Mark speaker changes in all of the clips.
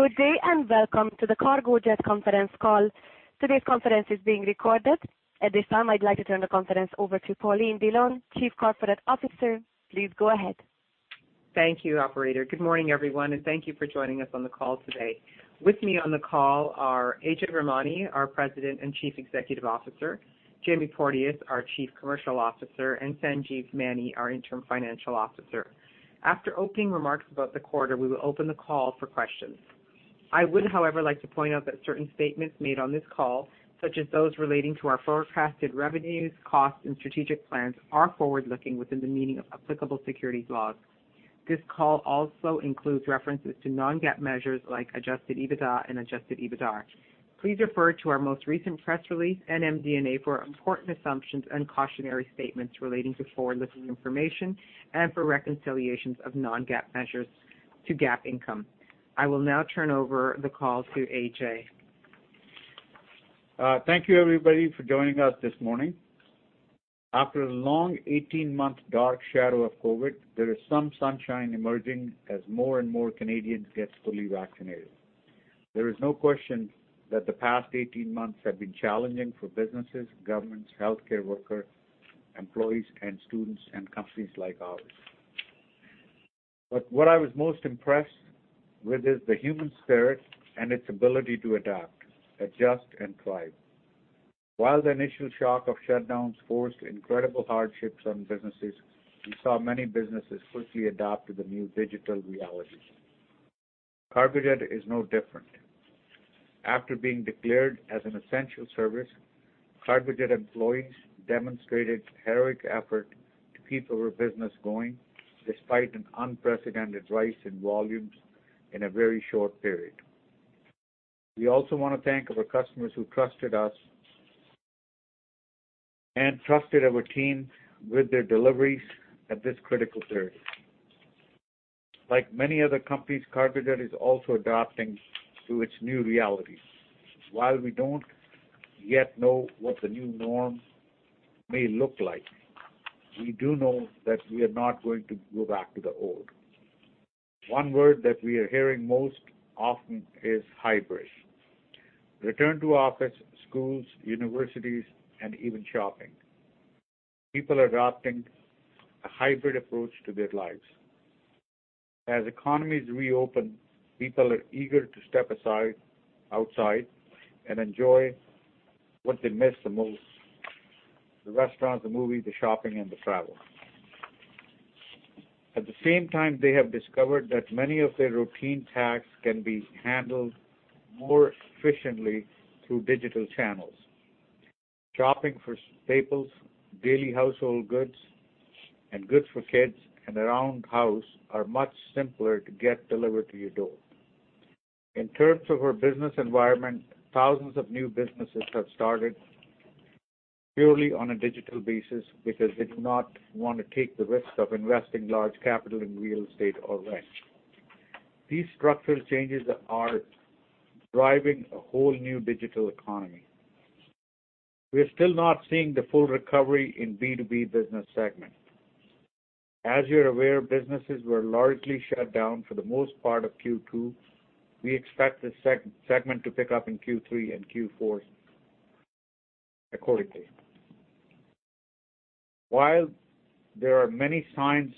Speaker 1: Good day welcome to the Cargojet conference call. Today's conference is being recorded. At this time, I'd like to turn the conference over to Pauline Dhillon, Chief Corporate Officer. Please go ahead.
Speaker 2: Thank you, operator. Good morning, everyone, and thank you for joining us on the call today. With me on the call are Ajay Virmani, our President and Chief Executive Officer, Jamie Porteous, our Chief Commercial Officer, and Sanjeev Maini, our Interim Financial Officer. After opening remarks about the quarter, we will open the call for questions. I would, however, like to point out that certain statements made on this call, such as those relating to our forecasted revenues, costs, and strategic plans, are forward-looking within the meaning of applicable securities laws. This call also includes references to non-GAAP measures like adjusted EBITDA and adjusted EBITDAR. Please refer to our most recent press release and MD&A for important assumptions and cautionary statements relating to forward-looking information and for reconciliations of non-GAAP measures to GAAP income. I will now turn over the call to Ajay.
Speaker 3: Thank you everybody for joining us this morning. After a long 18-month dark shadow of COVID, there is some sunshine emerging as more and more Canadians get fully vaccinated. There is no question that the past 18 months have been challenging for businesses, governments, healthcare workers, employees and students, and companies like ours. What I was most impressed with is the human spirit and its ability to adapt, adjust, and thrive. While the initial shock of shutdowns forced incredible hardships on businesses, we saw many businesses quickly adapt to the new digital reality. Cargojet is no different. After being declared as an essential service, Cargojet employees demonstrated heroic effort to keep our business going despite an unprecedented rise in volumes in a very short period. We also want to thank our customers who trusted us and trusted our team with their deliveries at this critical period. Like many other companies, Cargojet is also adapting to its new reality. While we don't yet know what the new norm may look like, we do know that we are not going to go back to the old. One word that we are hearing most often is hybrid. Return to office, schools, universities, and even shopping. People are adopting a hybrid approach to their lives. As economies reopen, people are eager to step outside and enjoy what they missed the most, the restaurants, the movies, the shopping, and the travel. At the same time, they have discovered that many of their routine tasks can be handled more efficiently through digital channels. Shopping for staples, daily household goods, and goods for kids and around house are much simpler to get delivered to your door. In terms of our business environment, thousands of new businesses have started purely on a digital basis because they do not want to take the risk of investing large capital in real estate or rent. These structural changes are driving a whole new digital economy. We're still not seeing the full recovery in B2B business segment. As you're aware, businesses were largely shut down for the most part of Q2. We expect this segment to pick up in Q3 and Q4 accordingly. While there are many signs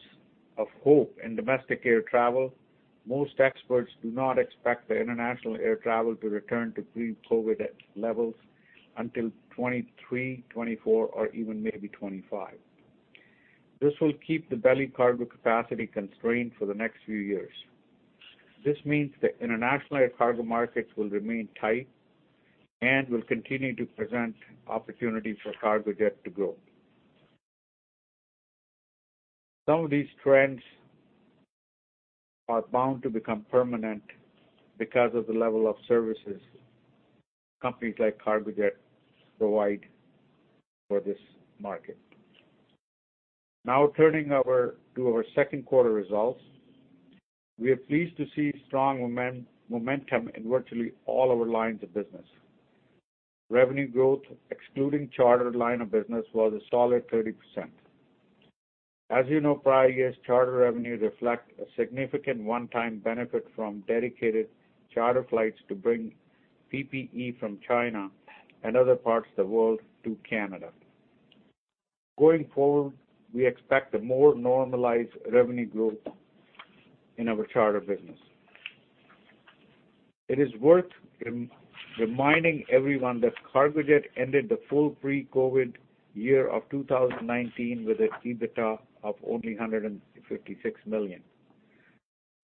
Speaker 3: of hope in domestic air travel, most experts do not expect the international air travel to return to pre-COVID-19 levels until 2023, 2024, or even maybe 2025. This will keep the belly cargo capacity constrained for the next few years. This means the international air cargo markets will remain tight and will continue to present opportunities for Cargojet to grow. Some of these trends are bound to become permanent because of the level of services companies like Cargojet provide for this market. Now turning to our second quarter results. We are pleased to see strong momentum in virtually all our lines of business. Revenue growth, excluding charter line of business, was a solid 30%. As you know, prior years charter revenue reflect a significant one-time benefit from dedicated charter flights to bring PPE from China and other parts of the world to Canada. Going forward, we expect a more normalized revenue growth in our charter business. It is worth reminding everyone that Cargojet ended the full pre-COVID-19 year of 2019 with an EBITDA of only 156 million.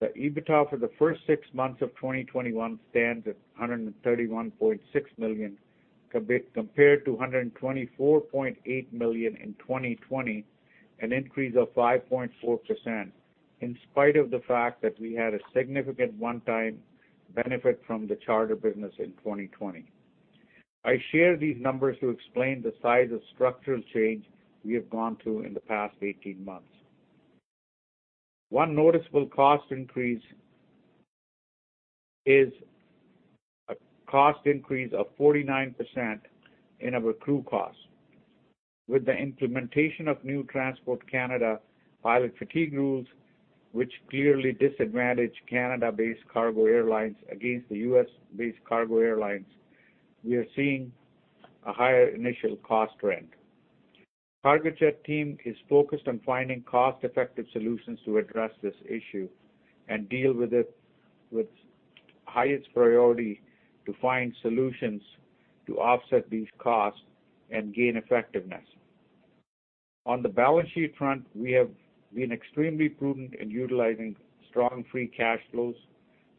Speaker 3: The EBITDA for the first six months of 2021 stands at 131.6 million compared to 124.8 million in 2020, an increase of 5.4%, in spite of the fact that we had a significant one-time benefit from the charter business in 2020. I share these numbers to explain the size of structural change we have gone through in the past 18 months. One noticeable cost increase. A cost increase of 49% in our crew costs. With the implementation of new Transport Canada pilot fatigue rules, which clearly disadvantage Canada-based cargo airlines against the U.S.-based cargo airlines, we are seeing a higher initial cost trend. Cargojet team is focused on finding cost-effective solutions to address this issue and deal with it with highest priority to find solutions to offset these costs and gain effectiveness. On the balance sheet front, we have been extremely prudent in utilizing strong free cash flows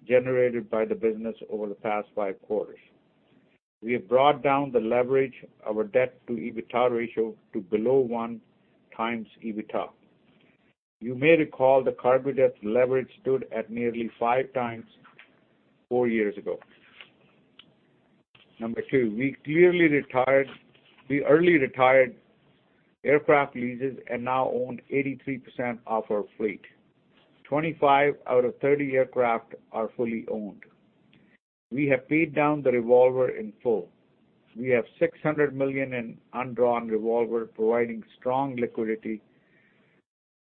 Speaker 3: generated by the business over the past five quarters. We have brought down the leverage of our debt to EBITDA ratio to below 1x EBITDA. You may recall the Cargojet leverage stood at nearly 5x four years ago. Number two, we clearly retired, we early retired aircraft leases and now own 83% of our fleet. 25 out of 30 aircraft are fully owned. We have paid down the revolver in full. We have 600 million in undrawn revolver, providing strong liquidity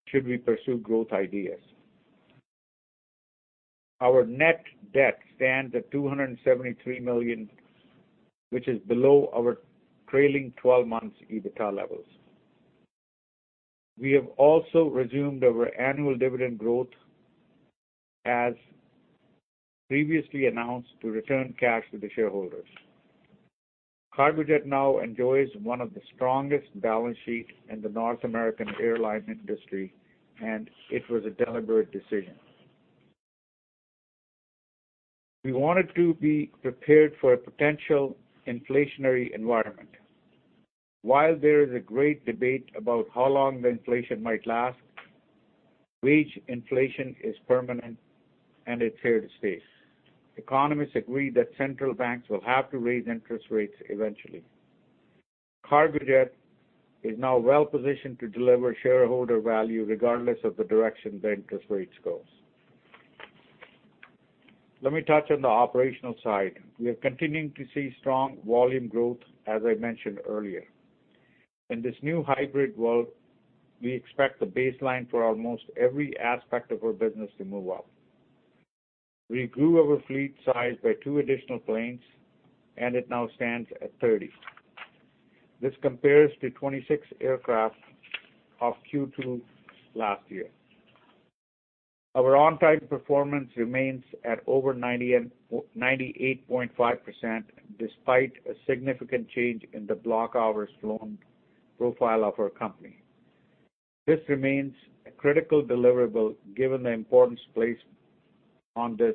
Speaker 3: should we pursue growth ideas. Our net debt stands at 273 million, which is below our trailing 12 months EBITDA levels. We have also resumed our annual dividend growth as previously announced, to return cash to the shareholders. Cargojet now enjoys one of the strongest balance sheets in the North American airline industry, and it was a deliberate decision. We wanted to be prepared for a potential inflationary environment. While there is a great debate about how long the inflation might last, wage inflation is permanent and it's here to stay. Economists agree that central banks will have to raise interest rates eventually. Cargojet is now well-positioned to deliver shareholder value regardless of the direction the interest rates goes. Let me touch on the operational side. We are continuing to see strong volume growth, as I mentioned earlier. In this new hybrid world, we expect the baseline for almost every aspect of our business to move up. We grew our fleet size by two additional planes, and it now stands at 30. This compares to 26 aircraft of Q2 last year. Our on-time performance remains at over 98.5%, despite a significant change in the block hours flown profile of our company. This remains a critical deliverable given the importance placed on this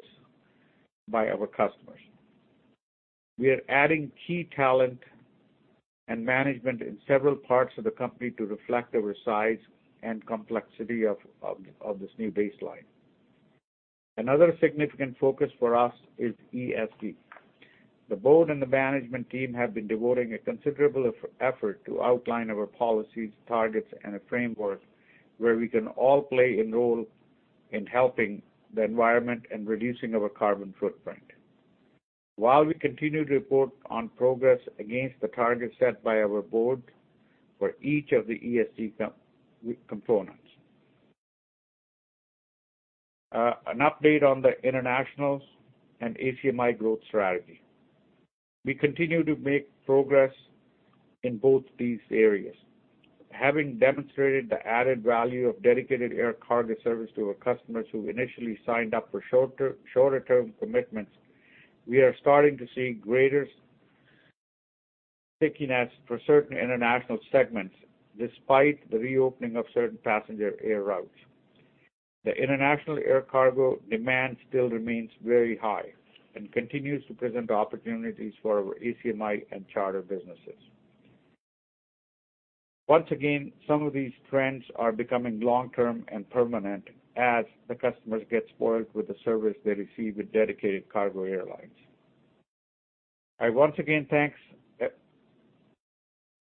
Speaker 3: by our customers. We are adding key talent and management in several parts of the company to reflect our size and complexity of this new baseline. Another significant focus for us is ESG. The board and the management team have been devoting a considerable effort to outline our policies, targets, and a framework where we can all play a role in helping the environment and reducing our carbon footprint. While we continue to report on progress against the targets set by our board for each of the ESG components. An update on the international and ACMI growth strategy. We continue to make progress in both these areas. Having demonstrated the added value of dedicated air cargo service to our customers who initially signed up for shorter-term commitments, we are starting to see greater stickiness for certain international segments, despite the reopening of certain passenger air routes. The international air cargo demand still remains very high and continues to present opportunities for our ACMI and charter businesses. Once again, some of these trends are becoming long-term and permanent as the customers get spoiled with the service they receive with dedicated cargo airlines. I once again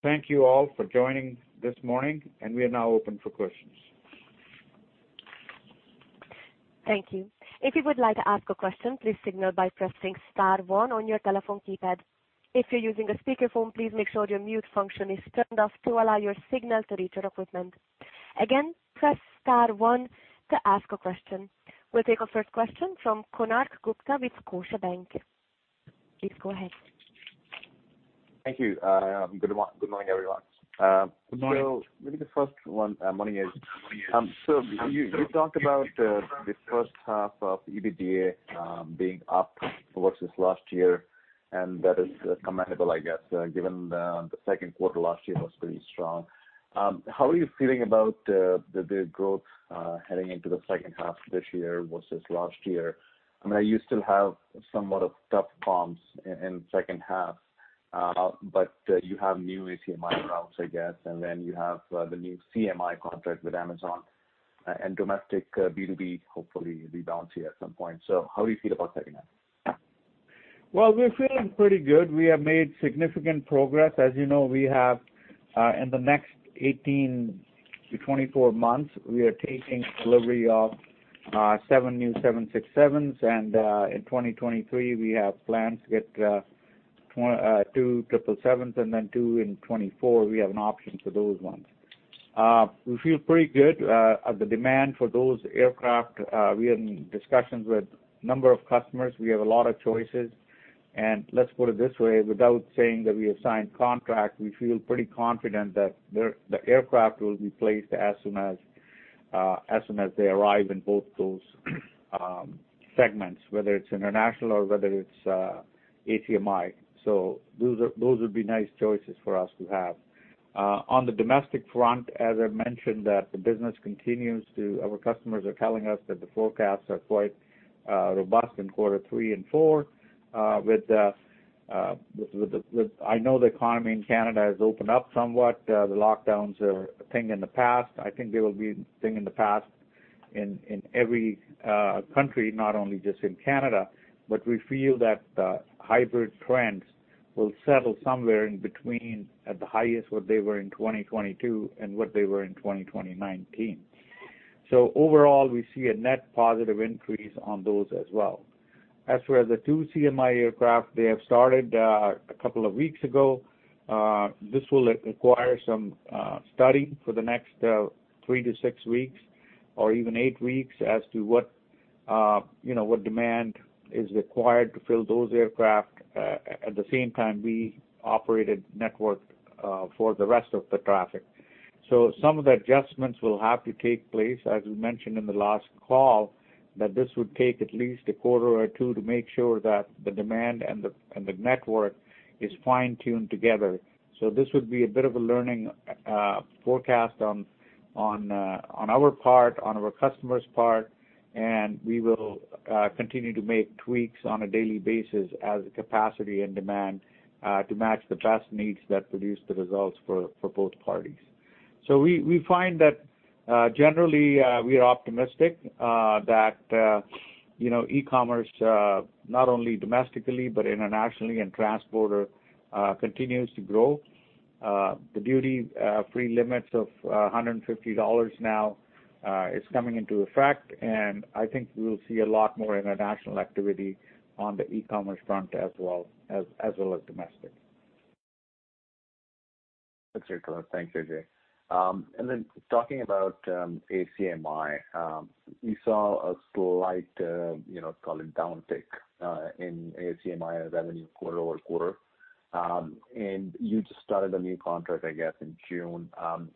Speaker 3: thank you all for joining this morning, and we are now open for questions.
Speaker 1: We'll take our first question from Konark Gupta with Scotiabank. Please go ahead.
Speaker 4: Thank you. Good morning, everyone.
Speaker 3: Good morning.
Speaker 4: Maybe the first one, morning Ajay, you talked about the first half of EBITDA being up versus last year, and that is commendable, I guess, given the second quarter last year was pretty strong. How are you feeling about the growth heading into the second half of this year versus last year? You still have somewhat of tough comps in second half, but you have new ACMI routes, I guess, and then you have the new CMI contract with Amazon, and domestic B2B hopefully rebounds here at some point. How do you feel about second half?
Speaker 3: Well, we're feeling pretty good. We have made significant progress. As you know, we have in the next 18-24 months, we are taking delivery of seven new 767s, and in 2023, we have plans to get two 777s, and then two in 2024. We have an option for those ones. We feel pretty good at the demand for those aircraft. We are in discussions with a number of customers. We have a lot of choices. Let's put it this way, without saying that we have signed contracts, we feel pretty confident that the aircraft will be placed as soon as they arrive in both those segments, whether it's international or whether it's ACMI. Those would be nice choices for us to have. On the domestic front, as I mentioned that the business continues. Our customers are telling us that the forecasts are quite robust in quarter three and four. I know the economy in Canada has opened up somewhat. The lockdowns are a thing in the past. I think they will be a thing in the past in every country, not only just in Canada. We feel that the hybrid trends will settle somewhere in between, at the highest what they were in 2022 and what they were in 2019. Overall, we see a net positive increase on those as well. As for the two CMI aircraft, they have started a couple of weeks ago. This will require some study for the next three to six weeks, or even eight weeks, as to what demand is required to fill those aircraft. At the same time, we operate a network for the rest of the traffic. Some of the adjustments will have to take place, as we mentioned in the last call, that this would take at least a quarter or two to make sure that the demand and the network is fine-tuned together. This would be a bit of a learning forecast on our part, on our customers' part, and we will continue to make tweaks on a daily basis as capacity and demand to match the transit needs that produce the results for both parties. We find that generally we are optimistic that e-commerce, not only domestically but internationally and transborder continues to grow. The duty-free limits of 150 dollars now is coming into effect, and I think we will see a lot more international activity on the e-commerce front as well, as well as domestic.
Speaker 4: That's very clear. Thanks, Ajay. Talking about ACMI. We saw a slight call it downtick in ACMI revenue quarter-over-quarter. You just started a new contract, I guess, in June.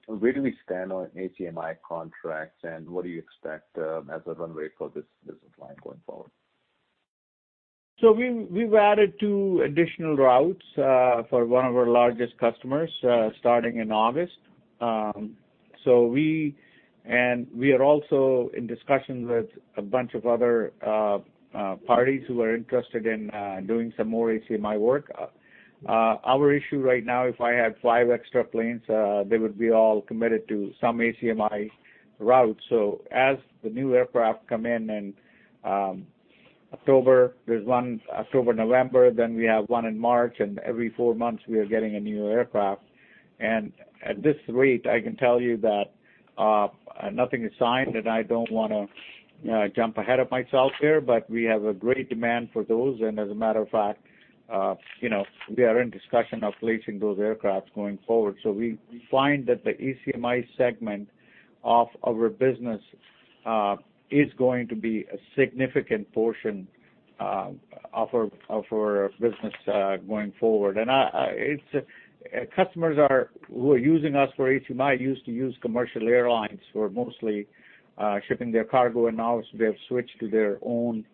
Speaker 4: Where do we stand on ACMI contracts, and what do you expect as a runway for this business line going forward?
Speaker 3: We've added two additional routes for one of our largest customers, starting in August. We are also in discussions with a bunch of other parties who are interested in doing some more ACMI work. Our issue right now, if I had five extra planes, they would be all committed to some ACMI routes. As the new aircraft come in in October, there's one October, November, then we have one in March, and every four months, we are getting a new aircraft. At this rate, I can tell you that nothing is signed, and I don't want to jump ahead of myself here, but we have a great demand for those. As a matter of fact, we are in discussion of placing those aircraft going forward. We find that the ACMI segment of our business is going to be a significant portion of our business going forward. Customers who are using us for ACMI used to use commercial airlines who are mostly shipping their cargo, and now they've switched to their own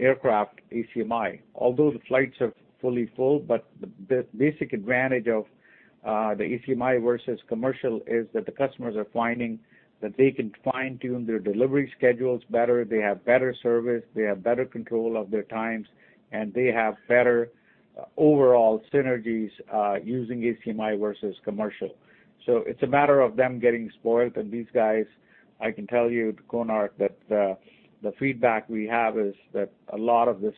Speaker 3: aircraft ACMI. Although the flights are fully full, but the basic advantage of the ACMI versus commercial is that the customers are finding that they can fine-tune their delivery schedules better, they have better service, they have better control of their times, and they have better overall synergies using ACMI versus commercial. It's a matter of them getting spoiled, and these guys, I can tell you, Konark, that the feedback we have is that a lot of this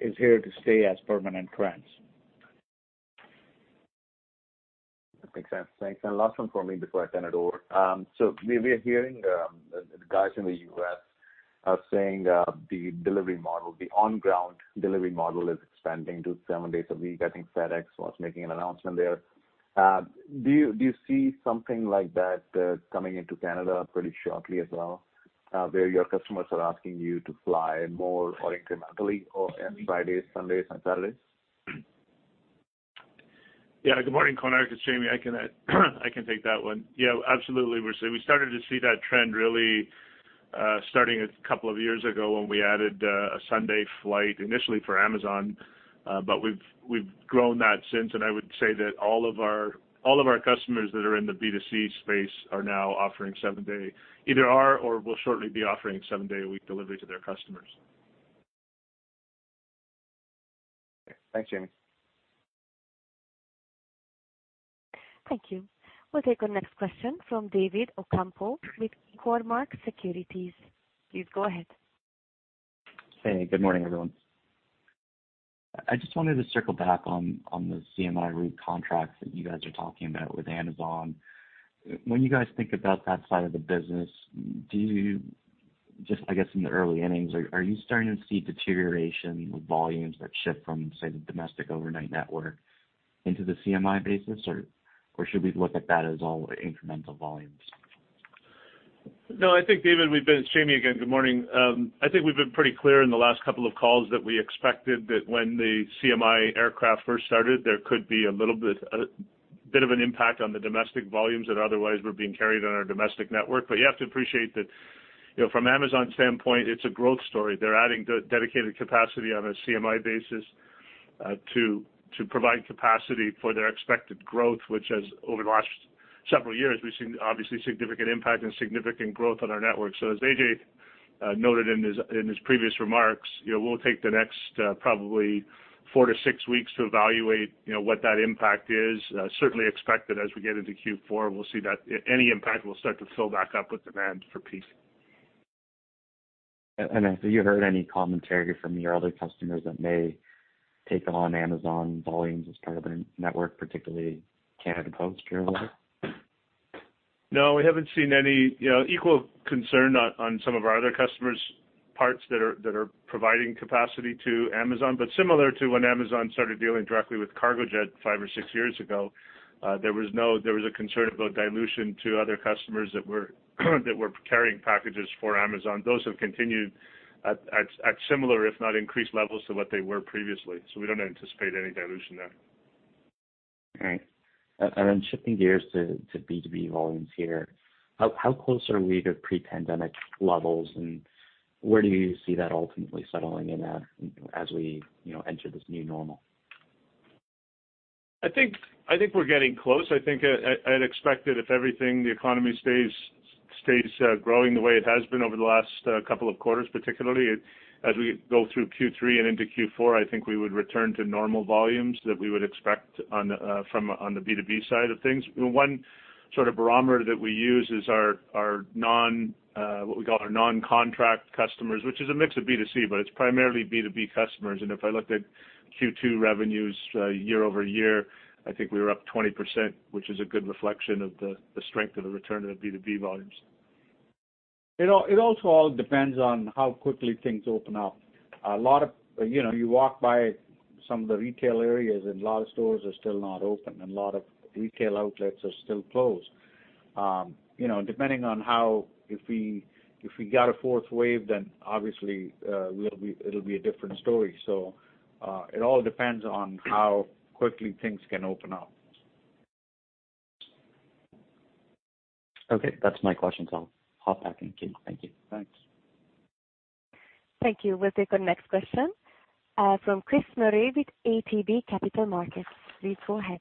Speaker 3: is here to stay as permanent trends.
Speaker 4: That makes sense. Thanks. Last one for me before I turn it over. We are hearing the guys in the U.S. are saying the delivery model, the on-ground delivery model is expanding to seven days a week. I think FedEx was making an announcement there. Do you see something like that coming into Canada pretty shortly as well, where your customers are asking you to fly more or incrementally or Fridays, Sundays and Saturdays?
Speaker 5: Yeah. Good morning, Konark, it's Jamie. I can take that one. Yeah, absolutely. We started to see that trend really starting a couple of years ago when we added a Sunday flight initially for Amazon. But we've grown that since, and I would say that all of our customers that are in the B2C space are now offering 7-day. Either are or will shortly be offering seven-day-a-week delivery to their customers.
Speaker 4: Thanks, Jamie.
Speaker 1: Thank you. We'll take our next question from David Ocampo with Cormark Securities. Please go ahead.
Speaker 6: Hey, good morning, everyone. I just wanted to circle back on the CMI route contracts that you guys are talking about with Amazon. When you guys think about that side of the business, do you just, I guess, in the early innings, are you starting to see deterioration of volumes that shift from, say, the domestic overnight network into the CMI basis? Or should we look at that as all incremental volumes?
Speaker 5: David, it's Jamie again. Good morning. We've been pretty clear in the last couple of calls that we expected that when the CMI aircraft first started, there could be a little bit of an impact on the domestic volumes that otherwise were being carried on our domestic network. You have to appreciate that, from Amazon's standpoint, it's a growth story. They're adding dedicated capacity on a CMI basis to provide capacity for their expected growth, which has over the last several years, we've seen obviously significant impact and significant growth on our network. As Ajay noted in his previous remarks, we'll take the next probably four to six weeks to evaluate what that impact is. Certainly expected as we get into Q4, we'll see that any impact will start to fill back up with demand for peak.
Speaker 6: Have you heard any commentary from your other customers that may take on Amazon volumes as part of a network, particularly Canada Post, Purolator?
Speaker 5: No, we haven't seen any equal concern on some of our other customers' parts that are providing capacity to Amazon. Similar to when Amazon started dealing directly with Cargojet five or six years ago, there was a concern about dilution to other customers that were carrying packages for Amazon. Those have continued at similar, if not increased levels to what they were previously. We don't anticipate any dilution there.
Speaker 6: All right. Shifting gears to B2B volumes here. How close are we to pre-pandemic levels, and where do you see that ultimately settling in at as we enter this new normal?
Speaker 5: I think we're getting close. I think I'd expect that if everything, the economy stays growing the way it has been over the last couple of quarters, particularly as we go through Q3 and into Q4, I think we would return to normal volumes that we would expect on the B2B side of things. One sort of barometer that we use is what we call our non-contract customers, which is a mix of B2C, but it's primarily B2B customers. If I looked at Q2 revenues year-over-year, I think we were up 20%, which is a good reflection of the strength of the return of the B2B volumes.
Speaker 3: It also all depends on how quickly things open up. You walk by some of the retail areas and a lot of stores are still not open, and a lot of retail outlets are still closed. Depending on how, if we get a fourth wave, then obviously it'll be a different story. It all depends on how quickly things can open up.
Speaker 6: Okay. That's my questions. I'll hop back in queue. Thank you.
Speaker 3: Thanks.
Speaker 1: Thank you. We'll take our next question from Chris Murray with ATB Capital Markets. Please go ahead.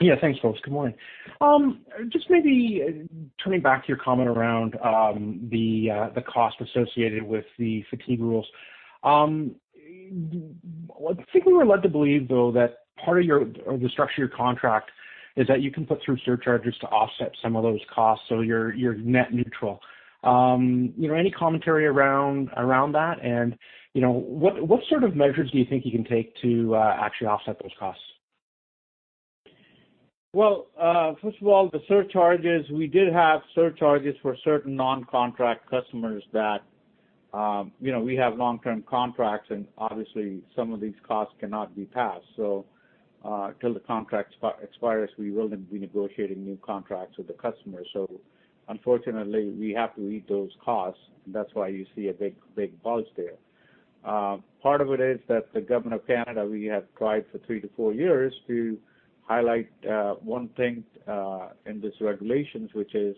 Speaker 7: Yeah, thanks, folks. Good morning. Just maybe turning back to your comment around the cost associated with the fatigue rules. I think we were led to believe, though, that part of the structure of your contract is that you can put through surcharges to offset some of those costs, so you're net neutral. Any commentary around that, and what sort of measures do you think you can take to actually offset those costs?
Speaker 3: First of all, the surcharges, we did have surcharges for certain non-contract customers that we have long-term contracts, and obviously some of these costs cannot be passed. Till the contract expires, we will then be negotiating new contracts with the customer. Unfortunately, we have to eat those costs, and that's why you see a big buzz there. Part of it is that the government of Canada, we have tried for three to four years to highlight one thing in these regulations, which is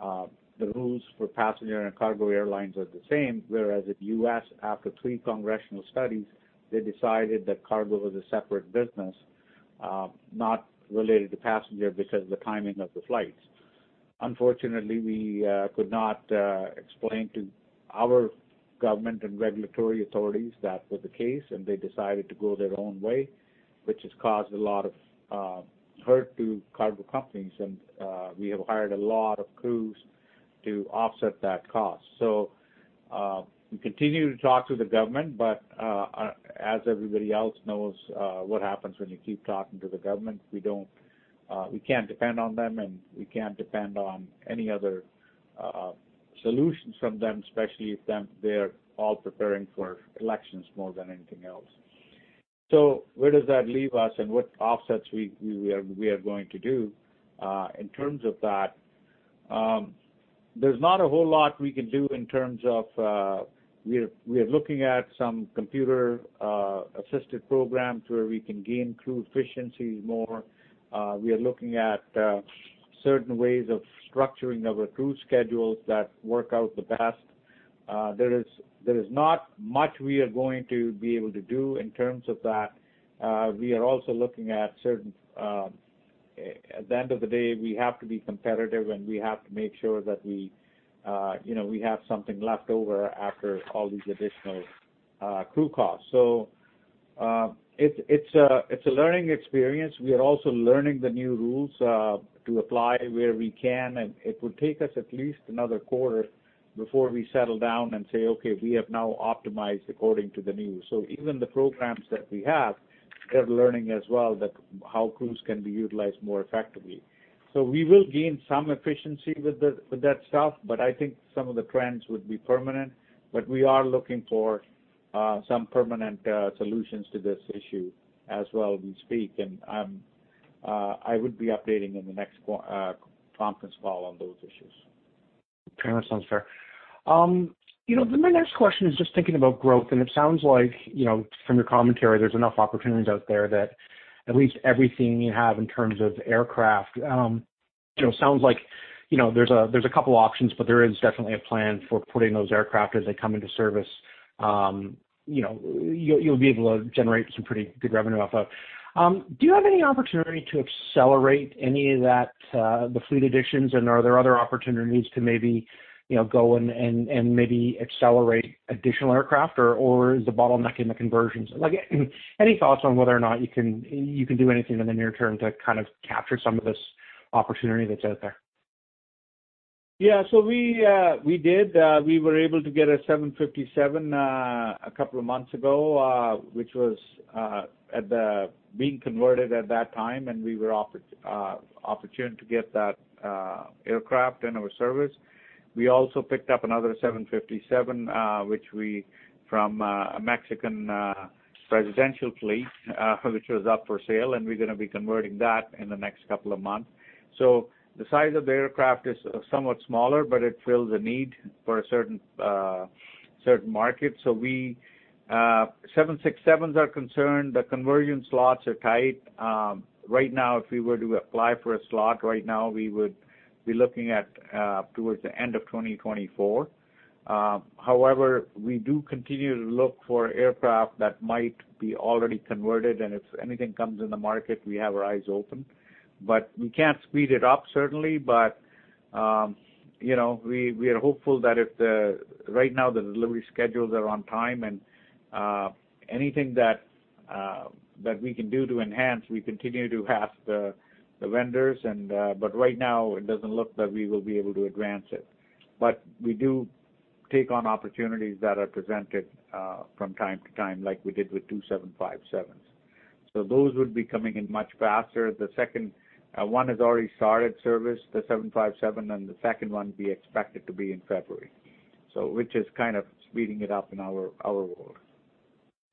Speaker 3: the rules for passenger and cargo airlines are the same, whereas if U.S., after three congressional studies, they decided that cargo was a separate business, not related to passenger because of the timing of the flights. Unfortunately, we could not explain to our government and regulatory authorities that was the case. They decided to go their own way, which has caused a lot of hurt to cargo companies. We have hired a lot of crews to offset that cost. We continue to talk to the government. As everybody else knows, what happens when you keep talking to the government, we can't depend on them. We can't depend on any other solutions from them, especially if they're all preparing for elections more than anything else. Where does that leave us and what offsets we are going to do in terms of that? There's not a whole lot we can do. We are looking at some computer-assisted programs where we can gain crew efficiencies more. We are looking at certain ways of structuring our crew schedules that work out the best. There is not much we are going to be able to do in terms of that. At the end of the day, we have to be competitive, and we have to make sure that we have something left over after all these additional crew costs. It's a learning experience. We are also learning the new rules to apply where we can, and it will take us at least another quarter before we settle down and say, "Okay, we have now optimized according to the new." Even the programs that we have, they're learning as well that how crews can be utilized more effectively. We will gain some efficiency with that stuff, but I think some of the trends would be permanent. We are looking for some permanent solutions to this issue as well, we speak, and I would be updating in the next conference call on those issues.
Speaker 7: Okay. That sounds fair. My next question is just thinking about growth, and it sounds like, from your commentary, there's enough opportunities out there that at least everything you have in terms of aircraft. Sounds like there's a couple options, but there is definitely a plan for putting those aircraft as they come into service. You'll be able to generate some pretty good revenue off of. Do you have any opportunity to accelerate any of that, the fleet additions, and are there other opportunities to maybe go and maybe accelerate additional aircraft, or is the bottleneck in the conversions? Any thoughts on whether or not you can do anything in the near term to capture some of this opportunity that's out there?
Speaker 3: We did. We were able to get a 757 a couple of months ago, which was being converted at that time, and we were opportune to get that aircraft in our service. We also picked up another 757 from a Mexican presidential fleet, which was up for sale, and we're going to be converting that in the next couple of months. The size of the aircraft is somewhat smaller, but it fills a need for a certain market. 767s are concerned, the conversion slots are tight. Right now, if we were to apply for a slot right now, we would be looking at towards the end of 2024. However, we do continue to look for aircraft that might be already converted, and if anything comes in the market, we have our eyes open. We can't speed it up, certainly, but we are hopeful that right now, the delivery schedules are on time, and anything that we can do to enhance, we continue to ask the vendors. Right now, it doesn't look that we will be able to advance it. We do take on opportunities that are presented from time to time, like we did with two 757s. Those would be coming in much faster. One has already started service, the 757, and the second one we expected to be in February. Which is kind of speeding it up in our world.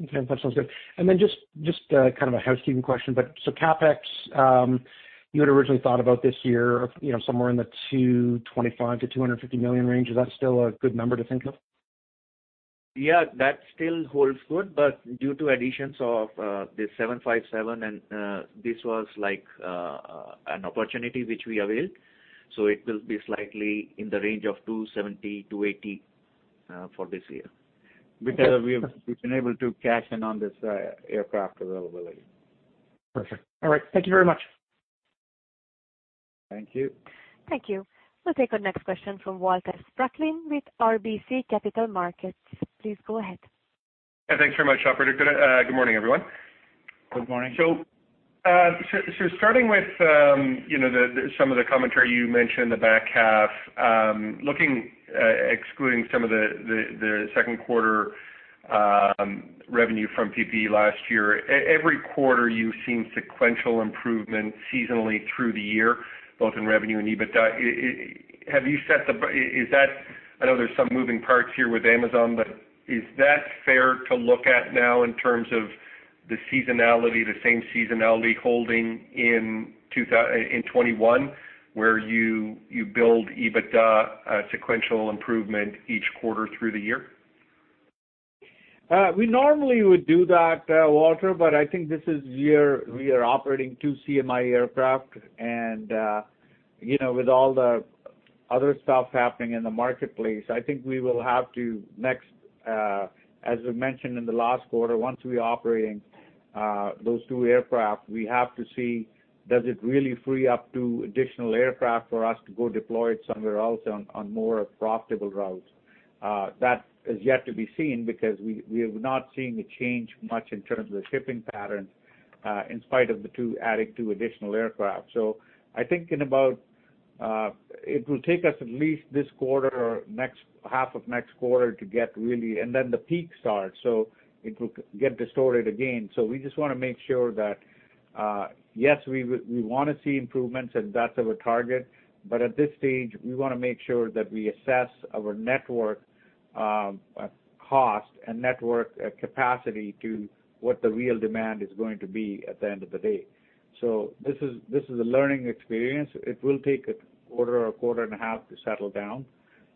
Speaker 7: Okay. That sounds good. Just a kind of a housekeeping question. CapEx, you had originally thought about this year somewhere in the 225 million-250 million range. Is that still a good number to think of?
Speaker 8: Yeah, that still holds good, but due to additions of the Boeing 757, and this was like an opportunity which we availed. It will be slightly in the range of 270 million-280 million for this year.
Speaker 3: Because we've been able to cash in on this aircraft availability.
Speaker 7: Perfect. All right. Thank you very much.
Speaker 3: Thank you.
Speaker 1: Thank you. We'll take our next question from Walter Spracklin with RBC Capital Markets. Please go ahead.
Speaker 9: Yeah. Thanks very much, operator. Good morning, everyone.
Speaker 3: Good morning.
Speaker 9: Starting with some of the commentary you mentioned the back half. Excluding some of the second quarter revenue from PPE last year, every quarter you've seen sequential improvement seasonally through the year, both in revenue and EBITDA. I know there's some moving parts here with Amazon, but is that fair to look at now in terms of the seasonality, the same seasonality holding in 2021, where you build EBITDA sequential improvement each quarter through the year?
Speaker 3: We normally would do that, Walter, but I think this is year we are operating two CMI aircraft and, with all the other stuff happening in the marketplace, I think we will have to next, as we mentioned in the last quarter, once we operating those two aircraft, we have to see does it really free up two additional aircraft for us to go deploy it somewhere else on more profitable routes. That is yet to be seen because we have not seen a change much in terms of the shipping patterns, in spite of the two adding two additional aircraft. I think it will take us at least this quarter or next half of next quarter. The peak starts, so it will get distorted again. We just want to make sure that, yes, we want to see improvements and that's our target, but at this stage, we want to make sure that we assess our network cost and network capacity to what the real demand is going to be at the end of the day. This is a learning experience. It will take a quarter or a quarter and a half to settle down,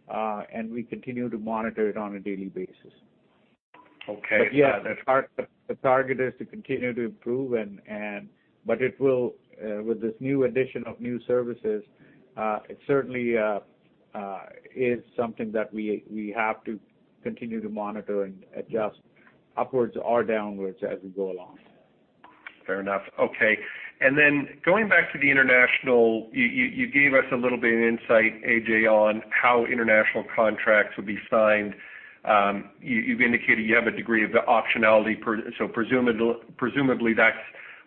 Speaker 3: and we continue to monitor it on a daily basis.
Speaker 9: Okay.
Speaker 3: The target is to continue to improve, but with this new addition of new services, it certainly is something that we have to continue to monitor and adjust upwards or downwards as we go along.
Speaker 9: Fair enough. Okay. Going back to the international, you gave us a little bit of insight, Ajay, on how international contracts will be signed. You've indicated you have a degree of optionality, so presumably that's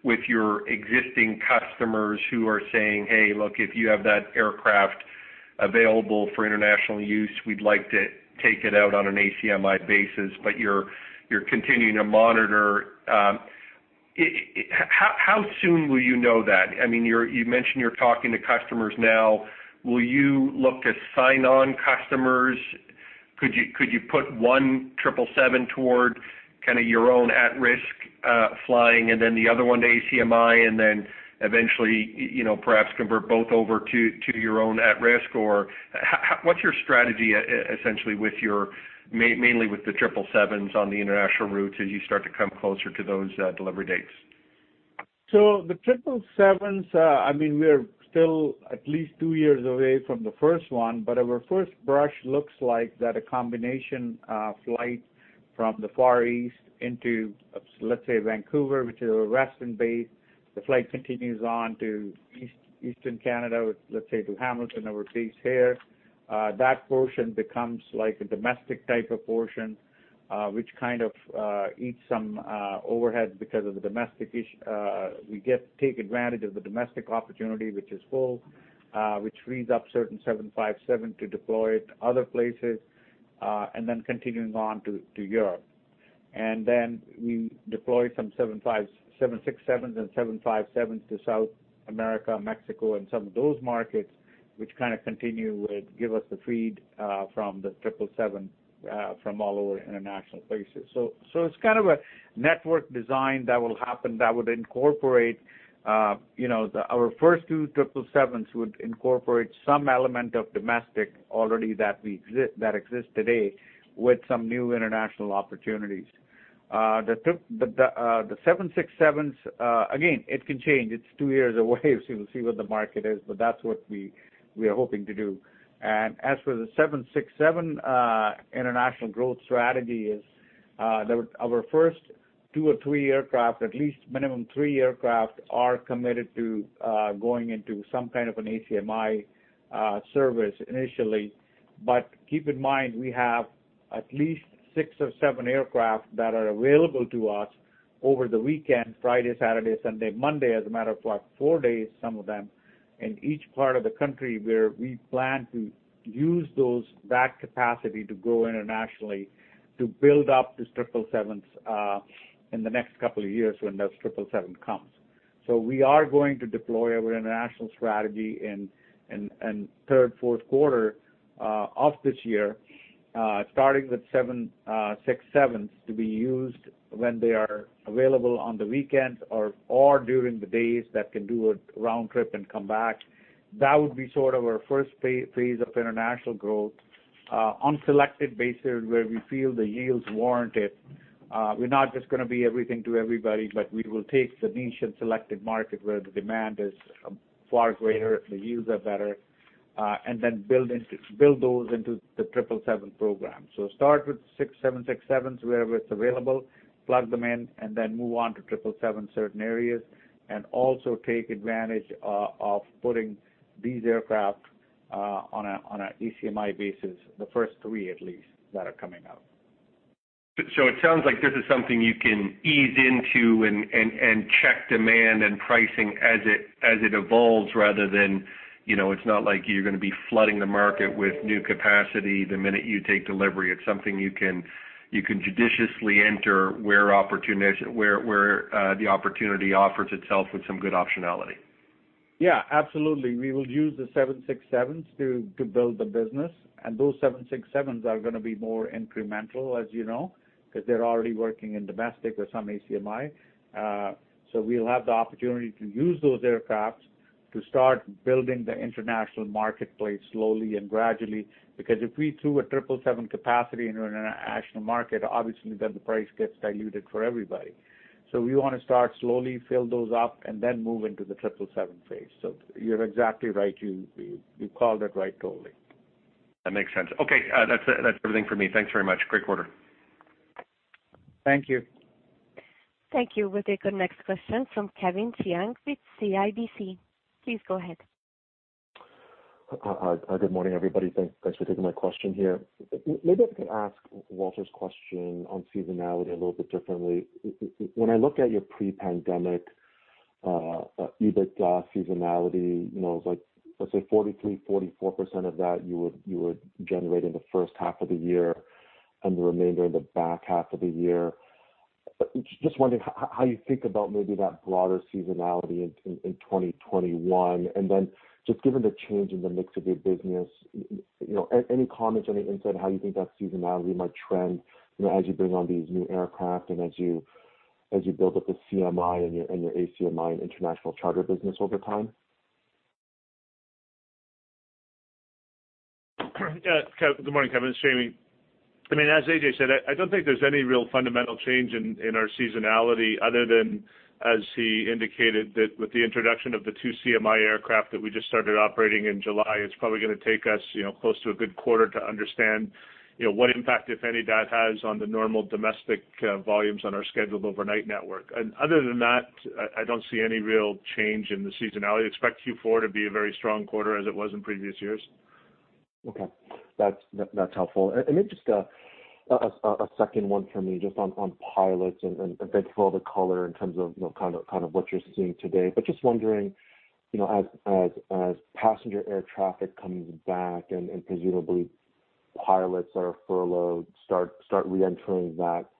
Speaker 9: with your existing customers who are saying, "Hey, look, if you have that aircraft available for international use, we'd like to take it out on an ACMI basis." You're continuing to monitor. How soon will you know that? You mentioned you're talking to customers now. Will you look to sign on customers? Could you put one 777 toward your own at-risk flying and then the other one to ACMI, and then eventually, perhaps convert both over to your own at risk? What's your strategy, essentially, mainly with the 777s on the international routes as you start to come closer to those delivery dates?
Speaker 3: The 777s, we're still at least two years away from the first one, our first brush looks like that a combination flight from the Far East into, let's say, Vancouver, which is a resting base. The flight continues on to Eastern Canada, let's say to Hamilton, our base here. That portion becomes a domestic type of portion, which eats some overhead because of the domestic issue. We get to take advantage of the domestic opportunity, which is full, which frees up certain 757 to deploy to other places, continuing on to Europe. We deploy some 767s and 757s to South America, Mexico, and some of those markets, which kind of continue with give us the feed from the 777 from all over international places. It's kind of a network design that will happen that our first two 777s would incorporate some element of domestic already that exists today with some new international opportunities. The 767s, again, it can change. It's two years away, so we'll see what the market is, but that's what we are hoping to do. As for the 767 international growth strategy is that our first two or three aircraft, at least minimum three aircraft, are committed to going into some kind of an ACMI service initially. Keep in mind, we have at least six or seven aircraft that are available to us over the weekend, Friday, Saturday, Sunday, Monday, as a matter of fact, four days, some of them, in each part of the country where we plan to use that capacity to grow internationally, to build up these 777s in the next couple of years when those 777s come. We are going to deploy our international strategy in third, fourth quarter of this year, starting with 767s to be used when they are available on the weekends or during the days that can do a round trip and come back. That would be sort of our first phase of international growth on selected bases where we feel the yields warrant it. We're not just going to be everything to everybody. We will take the niche and selected market where the demand is far greater, the yields are better, and then build those into the 777 program. Start with 767s, wherever it's available, plug them in, and then move on to 777 certain areas, and also take advantage of putting these aircraft on a ACMI basis, the first three at least, that are coming out.
Speaker 9: It sounds like this is something you can ease into and check demand and pricing as it evolves rather than it's not like you're going to be flooding the market with new capacity the minute you take delivery. It's something you can judiciously enter where the opportunity offers itself with some good optionality.
Speaker 3: Yeah, absolutely. We will use the 767s to build the business, and those 767s are going to be more incremental, as you know, because they're already working in domestic or some ACMI. We'll have the opportunity to use those aircraft to start building the international marketplace slowly and gradually. Because if we threw a 777 capacity into an international market, obviously then the price gets diluted for everybody. We want to start slowly, fill those up, and then move into the 777 phase. You're exactly right. You called it right totally.
Speaker 9: That makes sense. Okay, that's everything for me. Thanks very much. Great quarter.
Speaker 3: Thank you.
Speaker 1: Thank you. We'll take our next question from Kevin Chiang with CIBC. Please go ahead.
Speaker 10: Good morning, everybody. Thanks for taking my question here. Maybe I could ask Walter's question on seasonality a little bit differently. When I look at your pre-pandemic EBITDA seasonality, it was like, let's say 43%, 44% of that you would generate in the first half of the year and the remainder in the back half of the year. Just wondering how you think about maybe that broader seasonality in 2021, and then just given the change in the mix of your business, any comments, any insight how you think that seasonality might trend as you bring on these new aircraft and as you build up the CMI and your ACMI and international charter business over time?
Speaker 5: Good morning, Kevin Chiang. It's Jamie Porteous. As Ajay Virmani said, I don't think there's any real fundamental change in our seasonality other than, as he indicated, that with the introduction of the two CMI aircraft that we just started operating in July, it's probably going to take us close to a good quarter to understand what impact, if any, that has on the normal domestic volumes on our scheduled overnight network. Other than that, I don't see any real change in the seasonality. Expect Q4 to be a very strong quarter as it was in previous years.
Speaker 10: Okay. That's helpful. Maybe just a second one from me just on pilots. Thank you for all the color in terms of what you're seeing today. Just wondering, as passenger air traffic comes back and presumably pilots that are furloughed start reentering the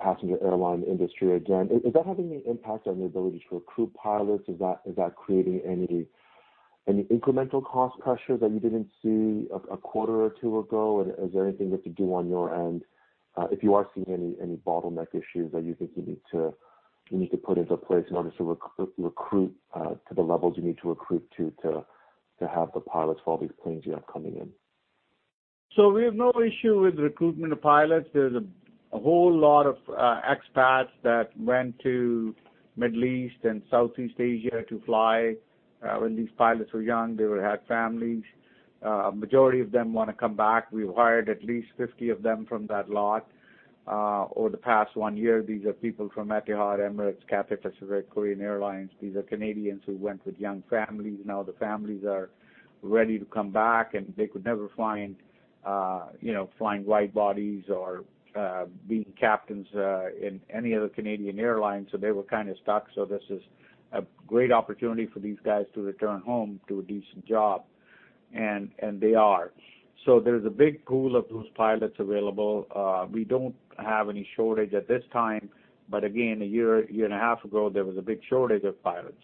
Speaker 10: passenger airline industry again, is that having any impact on your ability to recruit pilots? Is that creating any incremental cost pressures that you didn't see a quarter or two ago? Is there anything you have to do on your end if you are seeing any bottleneck issues that you think you need to put into place in order to recruit to the levels you need to recruit to have the pilots for all these planes you have coming in?
Speaker 3: We have no issue with recruitment of pilots. There's a whole lot of expats that went to Middle East and Southeast Asia to fly when these pilots were young. They had families. Majority of them want to come back. We've hired at least 50 of them from that lot over the past one year. These are people from Etihad, Emirates, Cathay Pacific, Korean Air. These are Canadians who went with young families. Now the families are ready to come back, and they could never find flying wide-bodies or being captains in any other Canadian airline, so they were kind of stuck. This is a great opportunity for these guys to return home to a decent job, and they are. There's a big pool of those pilots available. We don't have any shortage at this time, but again, a year and a half ago, there was a big shortage of pilots.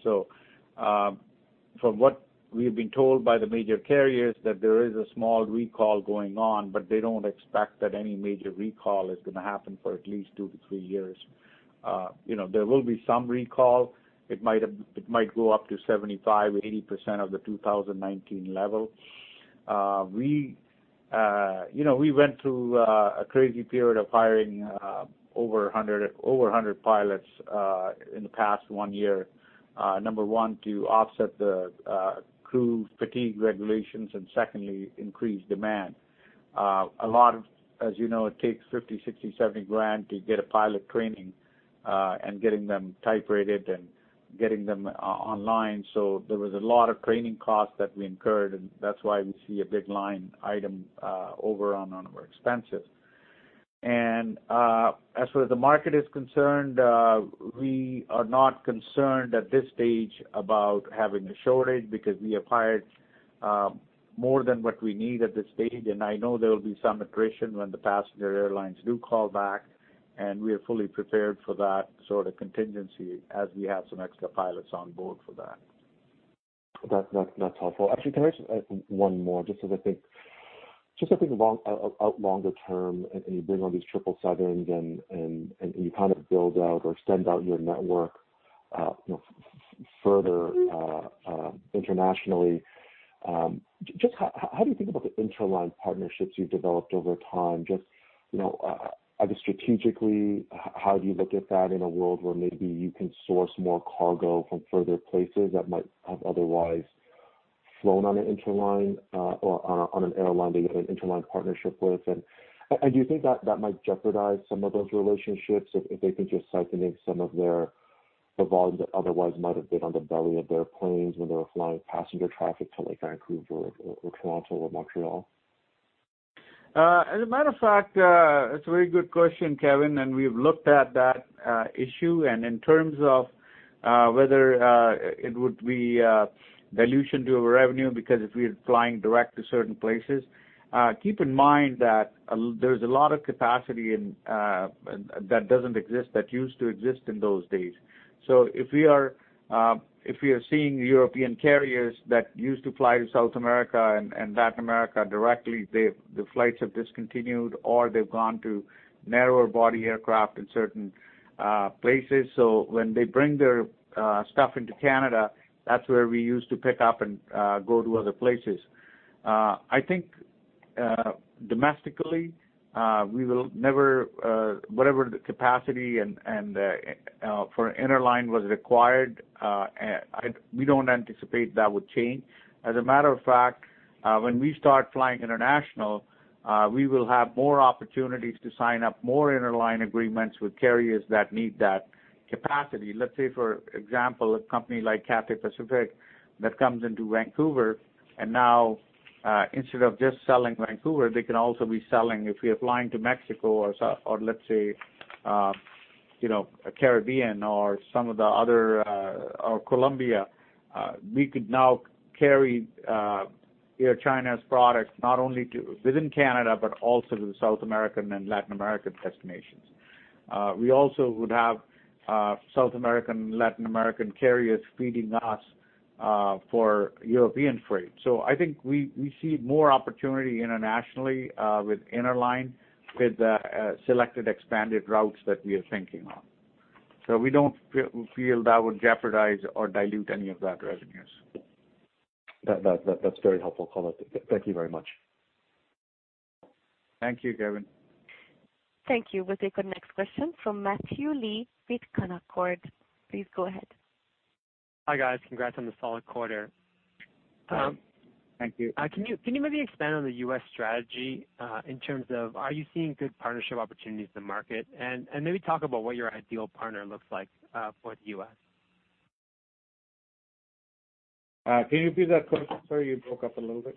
Speaker 3: From what we've been told by the major carriers, that there is a small recall going on, but they don't expect that any major recall is going to happen for at least two-three years. There will be some recall. It might go up to 75% or 80% of the 2019 level. We went through a crazy period of hiring over 100 pilots in the past one year. Number one, to offset the crew fatigue regulations, and secondly, increased demand. As you know, it takes 50,000, 60,000, 70,000 to get a pilot training, and getting them type-rated and getting them online. There was a lot of training costs that we incurred. That's why we see a big line item over on our expenses. As far as the market is concerned, we are not concerned at this stage about having a shortage because we have hired more than what we need at this stage. I know there will be some attrition when the passenger airlines do call back. We are fully prepared for that sort of contingency as we have some extra pilots on board for that.
Speaker 10: That's helpful. Actually, can I ask one more, just as I think out longer term, and you bring on these 777s and you build out or extend out your network further internationally. Just how do you think about the interline partnerships you've developed over time? Just either strategically, how do you look at that in a world where maybe you can source more cargo from further places that might have otherwise flown on an interline or on an airline that you have an interline partnership with? Do you think that that might jeopardize some of those relationships if they could just siphon in some of their volume that otherwise might have been on the belly of their planes when they were flying passenger traffic to Vancouver or Toronto or Montreal?
Speaker 3: As a matter of fact, it's a very good question, Kevin, and we've looked at that issue, and in terms of whether it would be dilution to our revenue, because if we're flying direct to certain places, keep in mind that there's a lot of capacity that doesn't exist that used to exist in those days. If we are seeing European carriers that used to fly to South America and Latin America directly, the flights have discontinued, or they've gone to narrower body aircraft in certain places. When they bring their stuff into Canada, that's where we used to pick up and go to other places. I think domestically, whatever the capacity and for interline was required, we don't anticipate that would change. As a matter of fact, when we start flying international, we will have more opportunities to sign up more interline agreements with carriers that need that capacity. Let's say, for example, a company like Cathay Pacific that comes into Vancouver, and now, instead of just selling Vancouver, they can also be selling if we are flying to Mexico or let's say, Caribbean or Colombia. We could now carry Air China's products not only within Canada, but also to the South American and Latin American destinations. We also would have South American, Latin American carriers feeding us for European freight. I think we see more opportunity internationally with interline, with selected expanded routes that we are thinking on. We don't feel that would jeopardize or dilute any of that revenues.
Speaker 10: That's very helpful, color. Thank you very much.
Speaker 3: Thank you, Kevin.
Speaker 1: Thank you. We'll take our next question from Matthew Lee with Canaccord. Please go ahead.
Speaker 11: Hi, guys. Congrats on the solid quarter.
Speaker 3: Thank you.
Speaker 11: Can you maybe expand on the U.S. strategy in terms of, are you seeing good partnership opportunities in the market? Maybe talk about what your ideal partner looks like for the U.S.?
Speaker 3: Can you repeat that question, sir? You broke up a little bit.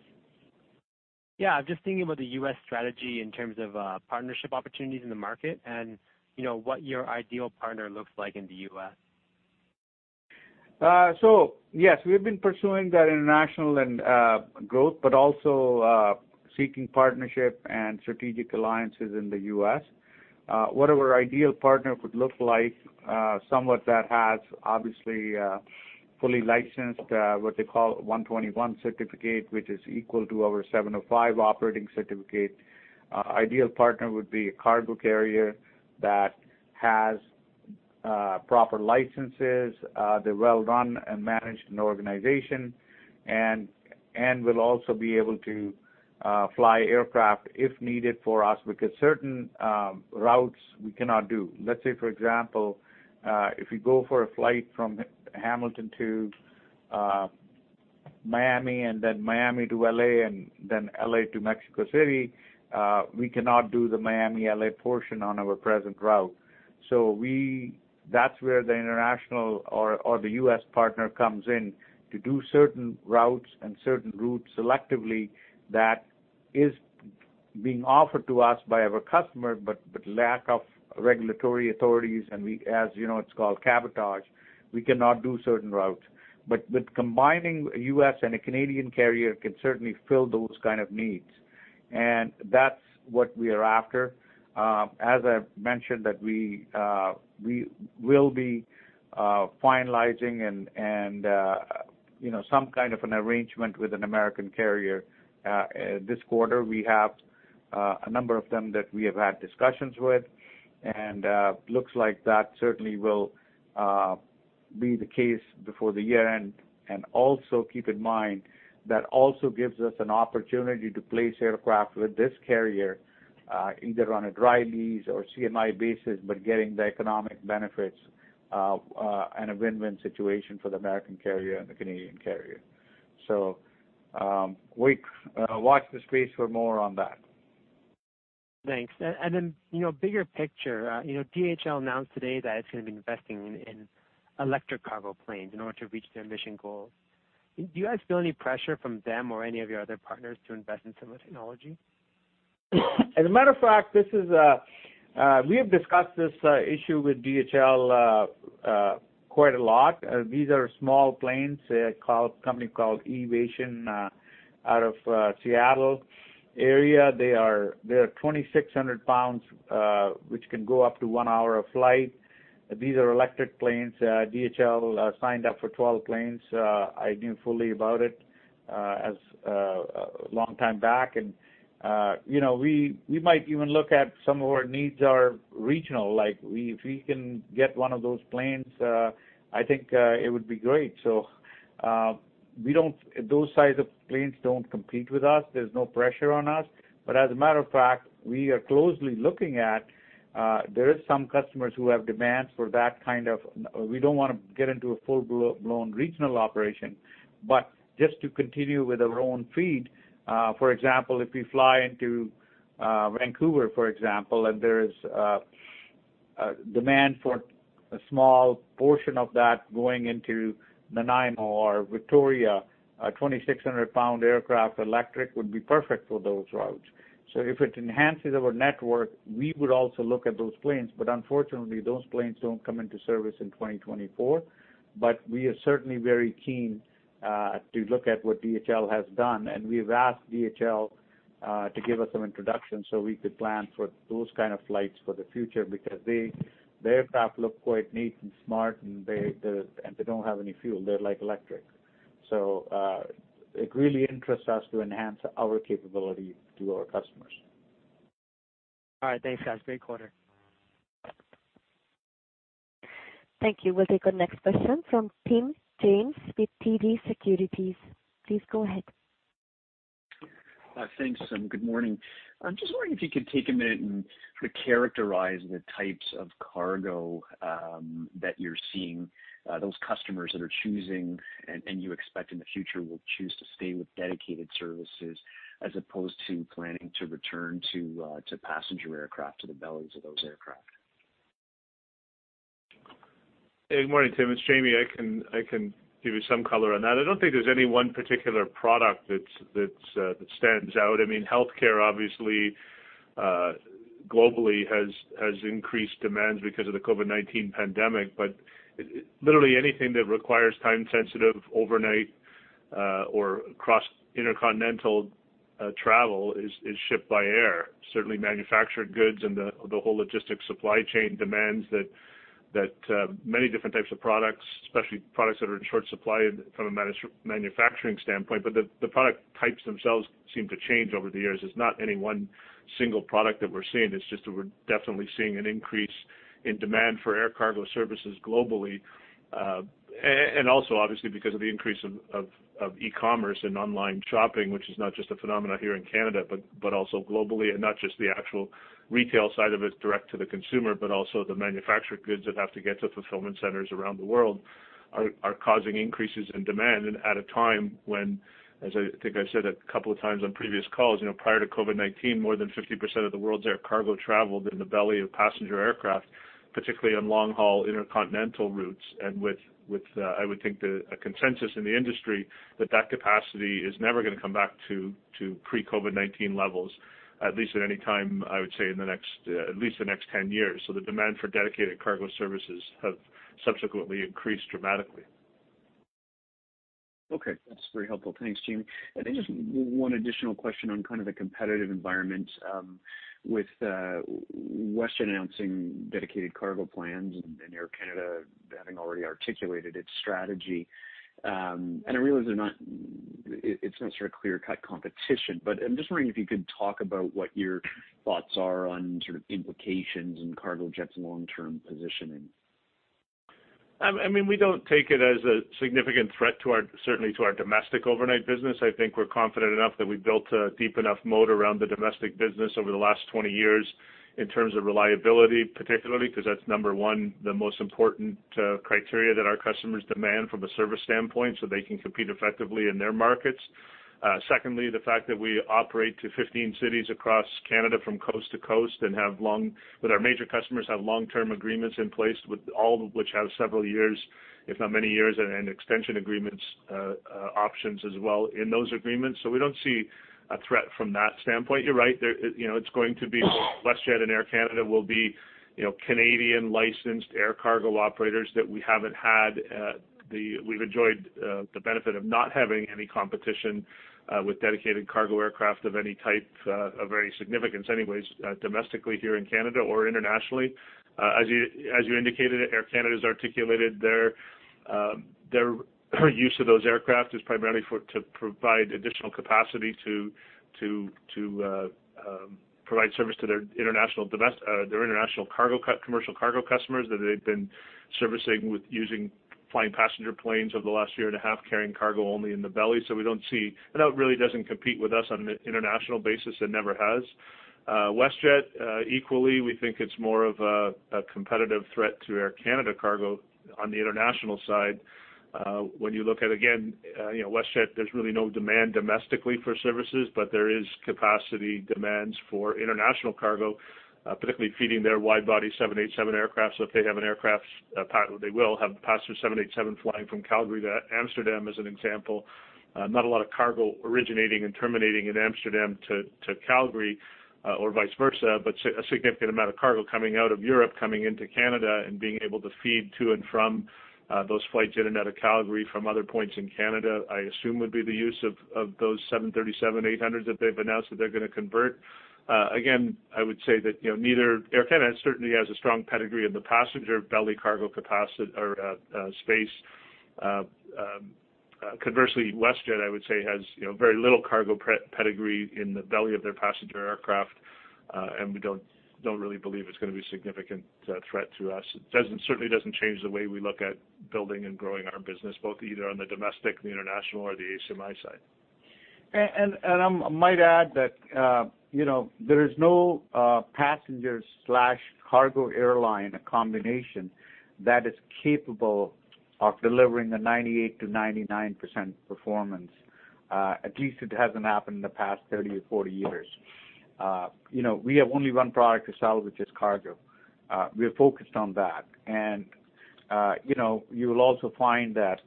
Speaker 11: Yeah. Just thinking about the U.S. strategy in terms of partnership opportunities in the market and what your ideal partner looks like in the U.S.
Speaker 3: Yes, we've been pursuing that international and growth, but also seeking partnership and strategic alliances in the U.S. What our ideal partner could look like, someone that has obviously a fully licensed, what they call Part 121 certificate, which is equal to our 705 operating certificate. Ideal partner would be a cargo carrier that has proper licenses. They're well-run and managed in organization and will also be able to fly aircraft if needed for us, because certain routes we cannot do. Let's say, for example, if we go for a flight from Hamilton to Miami and then Miami to L.A., and then L.A. to Mexico City, we cannot do the Miami-L.A. portion on our present route. That's where the international or the U.S. partner comes in to do certain routes and certain routes selectively that is being offered to us by our customer. Lack of regulatory authorities, and as you know, it's called cabotage, we cannot do certain routes. With combining U.S. and a Canadian carrier can certainly fill those kind of needs, and that's what we are after. As I've mentioned, that we will be finalizing and some kind of an arrangement with an American carrier, this quarter. We have a number of them that we have had discussions with and looks like that certainly will be the case before the year-end. Also keep in mind, that also gives us an opportunity to place aircraft with this carrier, either on a dry lease or CMI basis, but getting the economic benefits, and a win-win situation for the American carrier and the Canadian carrier. Watch the space for more on that.
Speaker 11: Thanks. Bigger picture, DHL announced today that it's going to be investing in electric cargo planes in order to reach their emission goals. Do you guys feel any pressure from them or any of your other partners to invest in similar technology?
Speaker 3: As a matter of fact, we have discussed this issue with DHL quite a lot. These are small planes, a company called Eviation, out of Seattle area. They are 2,600lbs, which can go up to one hour of flight. These are electric planes. DHL signed up for 12 planes. I knew fully about it as a long time back. We might even look at some of our needs are regional. If we can get one of those planes, I think, it would be great. Those size of planes don't compete with us. There's no pressure on us. As a matter of fact, we are closely looking at, there is some customers who have demands. We don't want to get into a full-blown regional operation, but just to continue with our own feed. For example, if we fly into Vancouver, for example, and there is demand for a small portion of that going into Nanaimo or Victoria, a 2,600-lb aircraft electric would be perfect for those routes. If it enhances our network, we would also look at those planes. Unfortunately, those planes don't come into service in 2024. We are certainly very keen to look at what DHL has done, and we've asked DHL to give us some introduction so we could plan for those kind of flights for the future, because the aircraft look quite neat and smart, and they don't have any fuel. They're like electric. It really interests us to enhance our capability to our customers.
Speaker 11: All right. Thanks, guys. Great quarter.
Speaker 1: Thank you. We'll take our next question from Tim James with TD Securities. Please go ahead.
Speaker 12: Thanks, good morning. I'm just wondering if you could take a minute and characterize the types of cargo that you're seeing, those customers that are choosing and you expect in the future will choose to stay with dedicated services as opposed to planning to return to passenger aircraft, to the bellies of those aircraft?
Speaker 5: Good morning, Tim, it's Jamie. I can give you some color on that. I don't think there's any one particular product that stands out. I mean, healthcare obviously, globally has increased demands because of the COVID-19 pandemic, but literally anything that requires time sensitive overnight, or cross intercontinental travel is shipped by air. Certainly manufactured goods and the whole logistics supply chain demands that many different types of products, especially products that are in short supply from a manufacturing standpoint. The product types themselves seem to change over the years. It's not any one single product that we're seeing. It's just that we're definitely seeing an increase in demand for air cargo services globally. Obviously because of the increase of e-commerce and online shopping, which is not just a phenomenon here in Canada, but also globally, and not just the actual retail side of it direct to the consumer, but also the manufactured goods that have to get to fulfillment centers around the world, are causing increases in demand and at a time when, as I think I've said a couple of times on previous calls, prior to COVID-19, more than 50% of the world's air cargo traveled in the belly of passenger aircraft, particularly on long-haul intercontinental routes. With, I would think, the consensus in the industry that capacity is never going to come back to pre-COVID-19 levels, at least at any time, I would say in at least the next 10 years. The demand for dedicated cargo services have subsequently increased dramatically.
Speaker 12: Okay, that's very helpful. Thanks, Jamie. I think just one additional question on kind of the competitive environment with WestJet announcing dedicated cargo plans and Air Canada having already articulated its strategy. I realize it's not sort of clear-cut competition, but I'm just wondering if you could talk about what your thoughts are on sort of implications in Cargojet's long-term positioning.
Speaker 5: We don't take it as a significant threat, certainly to our domestic overnight business. I think we're confident enough that we've built a deep enough moat around the domestic business over the last 20 years in terms of reliability, particularly because that's number one, the most important criteria that our customers demand from a service standpoint so they can compete effectively in their markets. Secondly, the fact that we operate to 15 cities across Canada from coast to coast and that our major customers have long-term agreements in place, all of which have several years, if not many years, and extension agreements options as well in those agreements. We don't see a threat from that standpoint. You're right, it's going to be WestJet and Air Canada will be Canadian licensed air cargo operators that we haven't had. We've enjoyed the benefit of not having any competition with dedicated cargo aircraft of any type, of any significance anyways, domestically here in Canada or internationally. As you indicated, Air Canada's articulated their use of those aircraft is primarily to provide additional capacity to provide service to their international commercial cargo customers that they've been servicing with using flying passenger planes over the last year and a half, carrying cargo only in the belly. That really doesn't compete with us on an international basis and never has. WestJet, equally, we think it's more of a competitive threat to Air Canada cargo on the international side. When you look at, again WestJet, there's really no demand domestically for services, but there is capacity demands for international cargo, particularly feeding their wide-body 787 aircraft. If they have an aircraft, they will have passenger 787 flying from Calgary to Amsterdam, as an example. Not a lot of cargo originating and terminating in Amsterdam to Calgary or vice versa, but a significant amount of cargo coming out of Europe, coming into Canada and being able to feed to and from those flights in and out of Calgary from other points in Canada, I assume would be the use of those 737-800s that they've announced that they're going to convert. Again, I would say that Air Canada certainly has a strong pedigree in the passenger belly cargo space. Conversely, WestJet, I would say, has very little cargo pedigree in the belly of their passenger aircraft. We don't really believe it's going to be a significant threat to us. It certainly doesn't change the way we look at building and growing our business, both either on the domestic, the international, or the ACMI side.
Speaker 3: I might add that there is no passenger/cargo airline combination that is capable of delivering a 98%-99% performance. At least it hasn't happened in the past 30 or 40 years. We have only one product to sell, which is cargo. We are focused on that. You will also find that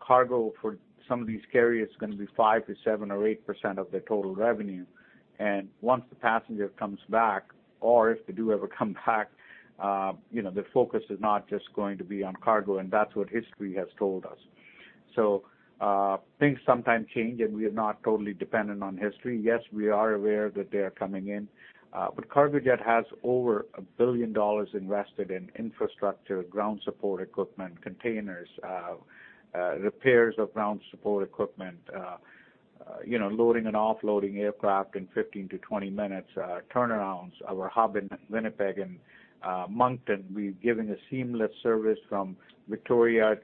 Speaker 3: cargo for some of these carriers is going to be 5%-7% or 8% of their total revenue. Once the passenger comes back, or if they do ever come back, the focus is not just going to be on cargo, and that's what history has told us. Things sometimes change, and we are not totally dependent on history. Yes, we are aware that they are coming in. Cargojet has over 1 billion dollars invested in infrastructure, ground support equipment, containers, repairs of ground support equipment, loading and offloading aircraft in 15-20 minutes turnarounds. Our hub in Winnipeg and Moncton, we're giving a seamless service from Victoria,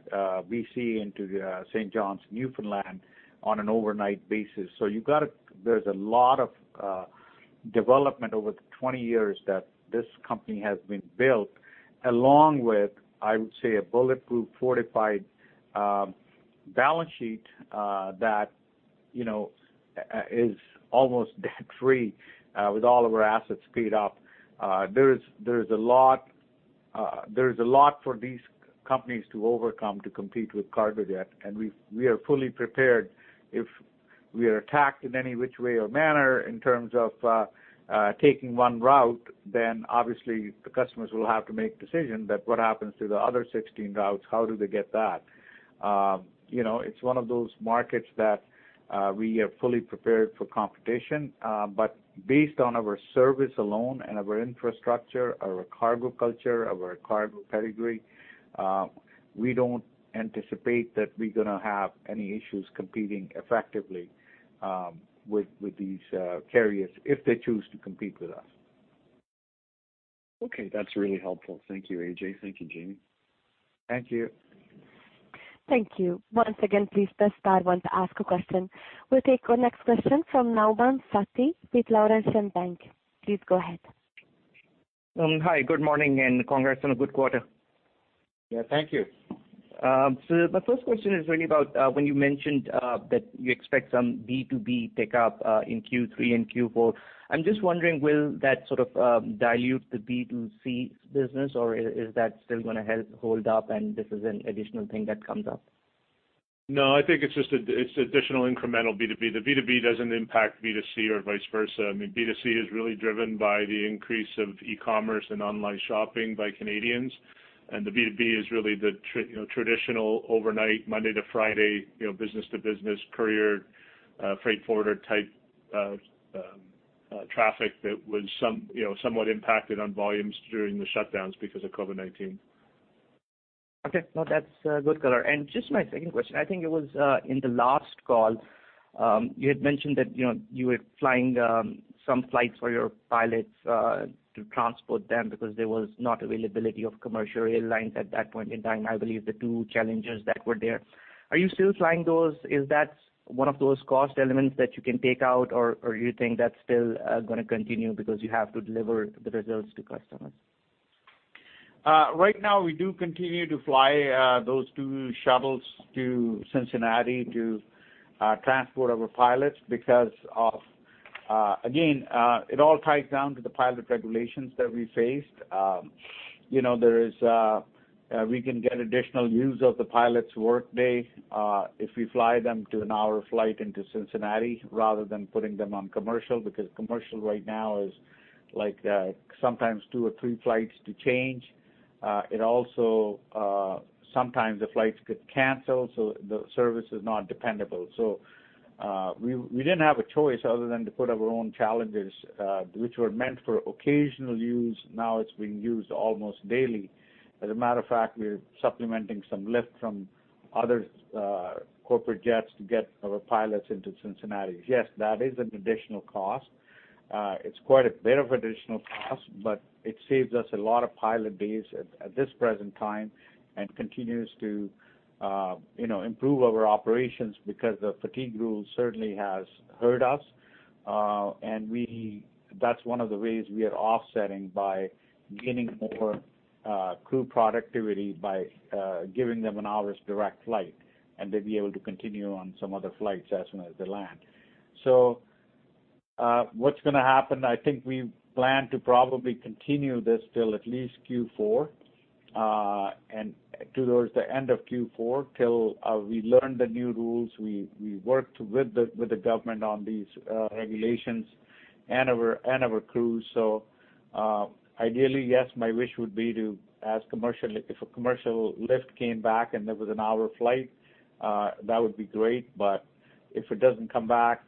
Speaker 3: B.C., into St. John's, Newfoundland, on an overnight basis. There's a lot of development over the 20 years that this company has been built, along with, I would say, a bulletproof, fortified balance sheet that is almost debt-free with all of our assets paid up. There is a lot for these companies to overcome to compete with Cargojet, and we are fully prepared. If we are attacked in any which way or manner in terms of taking one route, obviously the customers will have to make decision that what happens to the other 16 routes, how do they get that? It's one of those markets that we are fully prepared for competition. Based on our service alone and our infrastructure, our cargo culture, our cargo pedigree, we don't anticipate that we're going to have any issues competing effectively with these carriers if they choose to compete with us.
Speaker 12: Okay, that's really helpful. Thank you, Ajay. Thank you, Jamie.
Speaker 3: Thank you.
Speaker 1: Thank you. We'll take our next question from Nauman Satti with Laurentian Bank.
Speaker 13: Hi, good morning, and congrats on a good quarter.
Speaker 3: Yeah. Thank you.
Speaker 13: My first question is really about when you mentioned that you expect some B2B pickup in Q3 and Q4. I am just wondering, will that sort of dilute the B2C business, or is that still going to help hold up, and this is an additional thing that comes up?
Speaker 5: I think it's additional incremental B2B. The B2B doesn't impact B2C or vice versa. B2C is really driven by the increase of e-commerce and online shopping by Canadians. The B2B is really the traditional overnight, Monday to Friday, business to business, courier, freight forwarder type of traffic that was somewhat impacted on volumes during the shutdowns because of COVID-19.
Speaker 13: Okay. No, that's good color. Just my second question, I think it was in the last call, you had mentioned that you were flying some flights for your pilots to transport them because there was not availability of commercial airlines at that point in time, I believe the two challenges that were there. Are you still flying those? Is that one of those cost elements that you can take out, or you think that's still going to continue because you have to deliver the results to customers?
Speaker 3: Right now, we do continue to fly those two shuttles to Cincinnati to transport our pilots because of, again it all ties down to the pilot regulations that we faced. We can get additional use of the pilot's workday if we fly them to an hour flight into Cincinnati rather than putting them on commercial, because commercial right now is sometimes two or three flights to change. Sometimes the flights get canceled, so the service is not dependable. We didn't have a choice other than to put our own Challengers, which were meant for occasional use. Now it's being used almost daily. As a matter of fact, we are supplementing some lift from other corporate jets to get our pilots into Cincinnati. Yes, that is an additional cost. It's quite a bit of additional cost, but it saves us a lot of pilot days at this present time and continues to improve our operations because the fatigue rule certainly has hurt us. That's one of the ways we are offsetting by gaining more crew productivity, by giving them an hour's direct flight, and they'll be able to continue on some other flights as soon as they land. What's going to happen, I think we plan to probably continue this till at least Q4, and towards the end of Q4, till we learn the new rules. We worked with the government on these regulations and our crews. Ideally, yes, my wish would be to, if a commercial lift came back and there was an hour flight, that would be great. If it doesn't come back,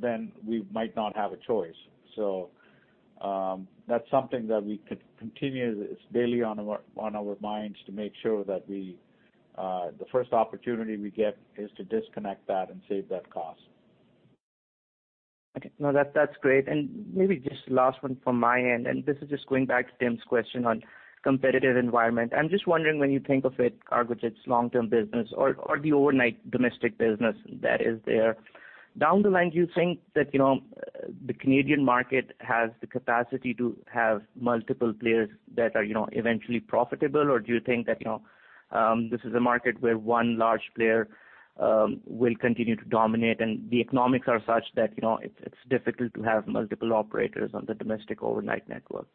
Speaker 3: then we might not have a choice. That's something that we could continue. It's daily on our minds to make sure that the first opportunity we get is to disconnect that and save that cost.
Speaker 13: Okay. No, that's great. Maybe just last one from my end, and this is just going back to Tim's question on competitive environment. I'm just wondering when you think of it, Cargojet's long-term business or the overnight domestic business that is there. Down the line, do you think that the Canadian market has the capacity to have multiple players that are eventually profitable? Do you think that this is a market where one large player will continue to dominate and the economics are such that it's difficult to have multiple operators on the domestic overnight network?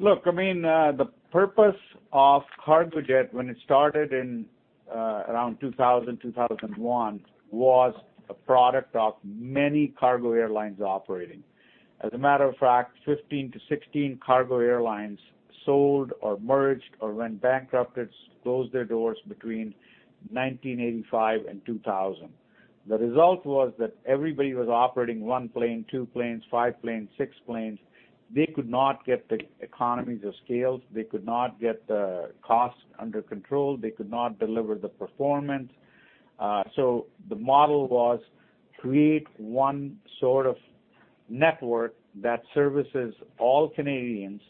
Speaker 3: The purpose of Cargojet when it started in around 2000, 2001, was a product of many cargo airlines operating. As a matter of fact, 15 to 16 cargo airlines sold or merged or went bankrupt, closed their doors between 1985 and 2000. The result was that everybody was operating one plane, two planes, five planes, six planes. They could not get the economies of scale. They could not get the cost under control. They could not deliver the performance. The model was create one sort of network that services all Canadians.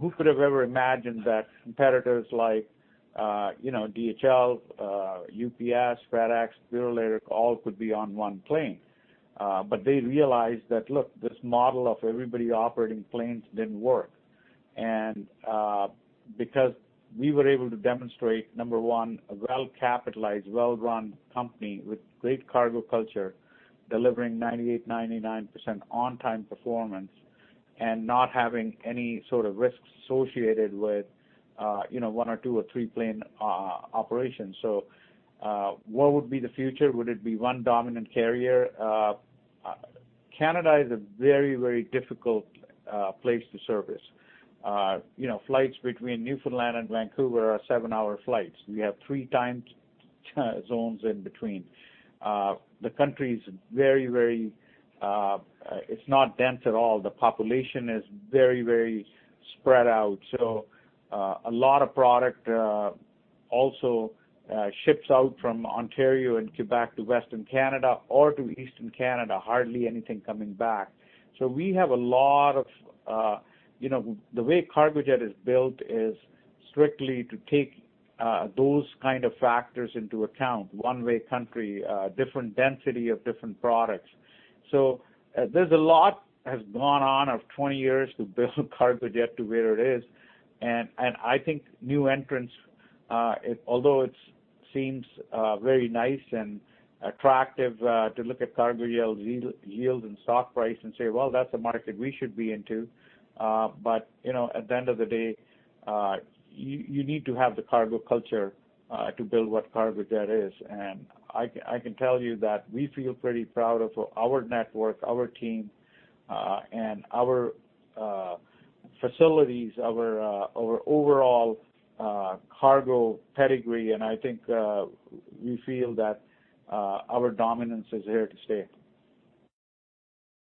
Speaker 3: Who could have ever imagined that competitors like DHL, UPS, FedEx, Purolator, all could be on one plane? They realized that, look, this model of everybody operating planes didn't work. Because we were able to demonstrate, number one, a well-capitalized, well-run company with great cargo culture, delivering 98%-99% on-time performance and not having any sort of risks associated with one or two or three plane operations. What would be the future? Would it be one dominant carrier? Canada is a very, very difficult place to service. Flights between Newfoundland and Vancouver are seven-hour flights. We have three time zones in between. The country is very, very. It's not dense at all. The population is very, very spread out. A lot of product also ships out from Ontario and Quebec to Western Canada or to Eastern Canada, hardly anything coming back. The way Cargojet is built is Strictly to take those kind of factors into account. One-way country, different density of different products. There's a lot has gone on over 20 years to build Cargojet to where it is. I think new entrants, although it seems very nice and attractive to look at cargo yields and stock price and say, "Well, that's a market we should be into." At the end of the day, you need to have the cargo culture, to build what Cargojet is. I can tell you that we feel pretty proud of our network, our team, and our facilities, our overall cargo pedigree, and I think we feel that our dominance is here to stay.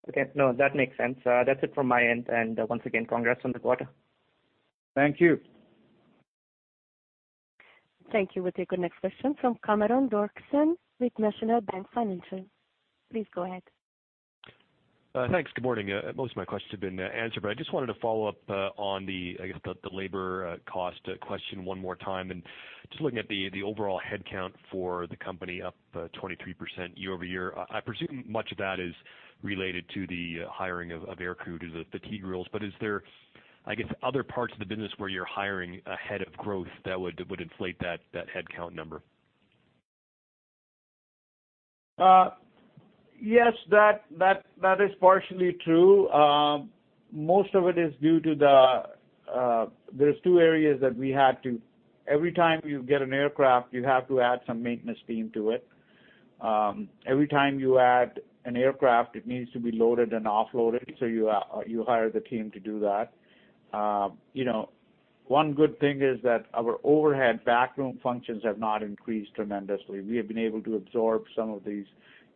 Speaker 13: Okay. No, that makes sense. That's it from my end. Once again, congrats on the quarter.
Speaker 3: Thank you.
Speaker 1: Thank you. We'll take our next question from Cameron Doerksen with National Bank Financial. Please go ahead.
Speaker 14: Thanks. Good morning. Most of my questions have been answered, but I just wanted to follow up on the, I guess, the labor cost question one more time. Just looking at the overall headcount for the company up 23% year-over-year, I presume much of that is related to the hiring of air crew due to the fatigue rules. Is there, I guess, other parts of the business where you're hiring ahead of growth that would inflate that headcount number?
Speaker 3: Yes, that is partially true. Most of it is due to the There's two areas that we had to Every time you get an aircraft, you have to add some maintenance team to it. Every time you add an aircraft, it needs to be loaded and offloaded, so you hire the team to do that. One good thing is that our overhead back room functions have not increased tremendously. We have been able to absorb some of these,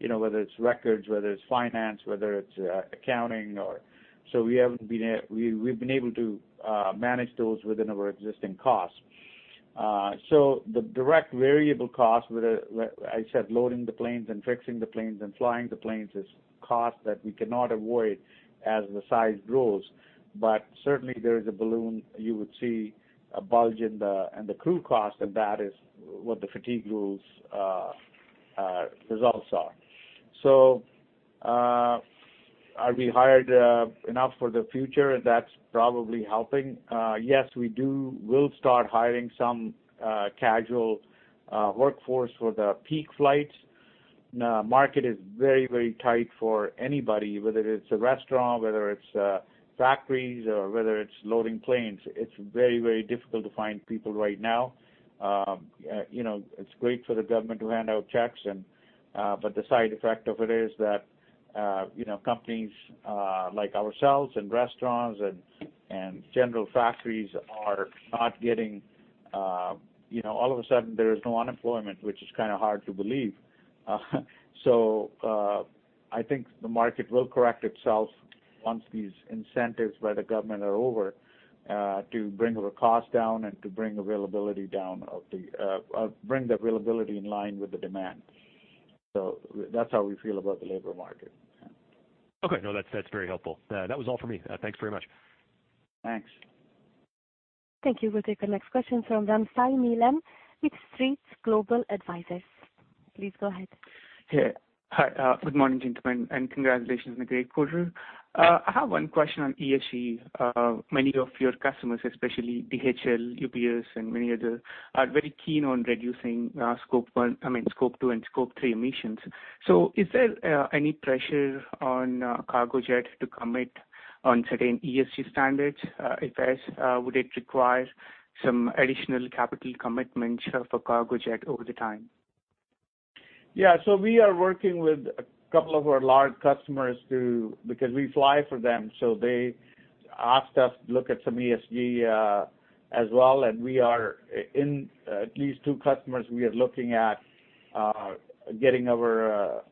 Speaker 3: whether it's records, whether it's finance, whether it's accounting. We've been able to manage those within our existing costs. The direct variable cost, I said loading the planes and fixing the planes and flying the planes is cost that we cannot avoid as the size grows. Certainly there is a balloon. You would see a bulge in the crew cost, and that is what the fatigue rules results are. Have we hired enough for the future? That's probably helping. Yes, we do. We'll start hiring some casual workforce for the peak flights. Market is very, very tight for anybody, whether it's a restaurant, whether it's factories, or whether it's loading planes. It's very, very difficult to find people right now. It's great for the government to hand out checks, but the side effect of it is that companies like ourselves and restaurants and general factories are not getting. All of a sudden, there is no unemployment, which is kind of hard to believe. I think the market will correct itself once these incentives by the government are over, to bring our cost down and to bring the availability in line with the demand. That's how we feel about the labor market. Yeah.
Speaker 14: No, that's very helpful. That was all for me. Thanks very much.
Speaker 3: Thanks.
Speaker 1: Thank you. We'll take our next question from Ramsai Neelam with State Street Global Advisors. Please go ahead.
Speaker 15: Yeah. Hi, good morning, gentlemen, and congratulations on the great quarter. I have one question on ESG. Many of your customers, especially DHL, UPS, and many others, are very keen on reducing scope two and scope three emissions. Is there any pressure on Cargojet to commit on certain ESG standards? If yes, would it require some additional capital commitments for Cargojet over the time?
Speaker 3: Yeah. We are working with a couple of our large customers because we fly for them, so they asked us to look at some ESG as well. We are in at least two customers, we are looking at getting our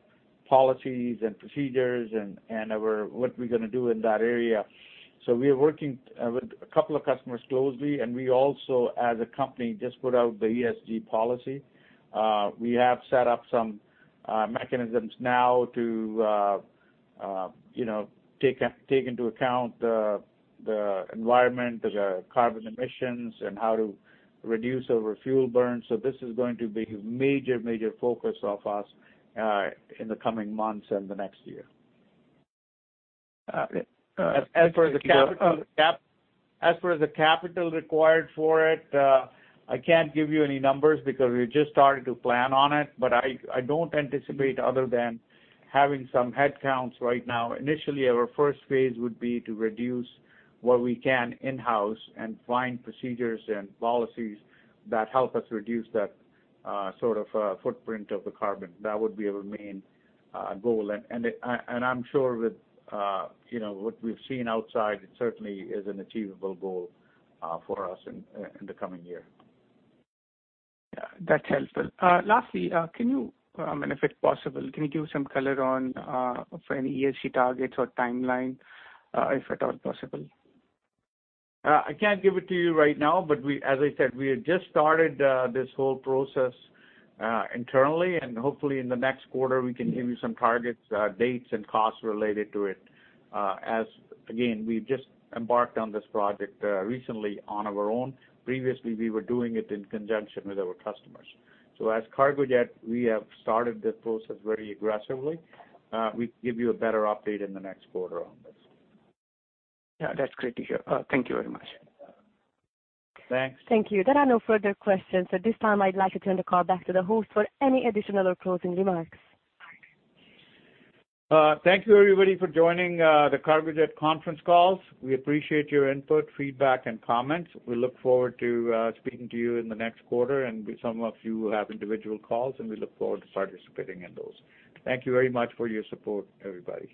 Speaker 3: policies and procedures and what we're gonna do in that area. We are working with a couple of customers closely. We also, as a company, just put out the ESG policy. We have set up some mechanisms now to take into account the environment, the carbon emissions, and how to reduce our fuel burn. This is going to be a major focus of us in the coming months and the next year. As for the capital required for it, I can't give you any numbers because we just started to plan on it. I don't anticipate, other than having some headcounts right now. Initially, our first phase would be to reduce what we can in-house and find procedures and policies that help us reduce that sort of footprint of the carbon. That would be our main goal. I'm sure with what we've seen outside, it certainly is an achievable goal for us in the coming year.
Speaker 15: Yeah. That's helpful. Lastly, if it's possible, can you give some color on any ESG targets or timeline, if at all possible?
Speaker 3: I can't give it to you right now, but as I said, we have just started this whole process internally, and hopefully in the next quarter we can give you some targets, dates, and costs related to it. Again, we've just embarked on this project recently on our own. Previously, we were doing it in conjunction with our customers. As Cargojet, we have started this process very aggressively. We can give you a better update in the next quarter on this.
Speaker 15: Yeah, that's great to hear. Thank you very much.
Speaker 3: Thanks.
Speaker 1: Thank you. There are no further questions. At this time, I'd like to turn the call back to the host for any additional or closing remarks.
Speaker 3: Thank you everybody for joining the Cargojet conference calls. We appreciate your input, feedback, and comments. We look forward to speaking to you in the next quarter, and some of you have individual calls, and we look forward to participating in those. Thank you very much for your support, everybody.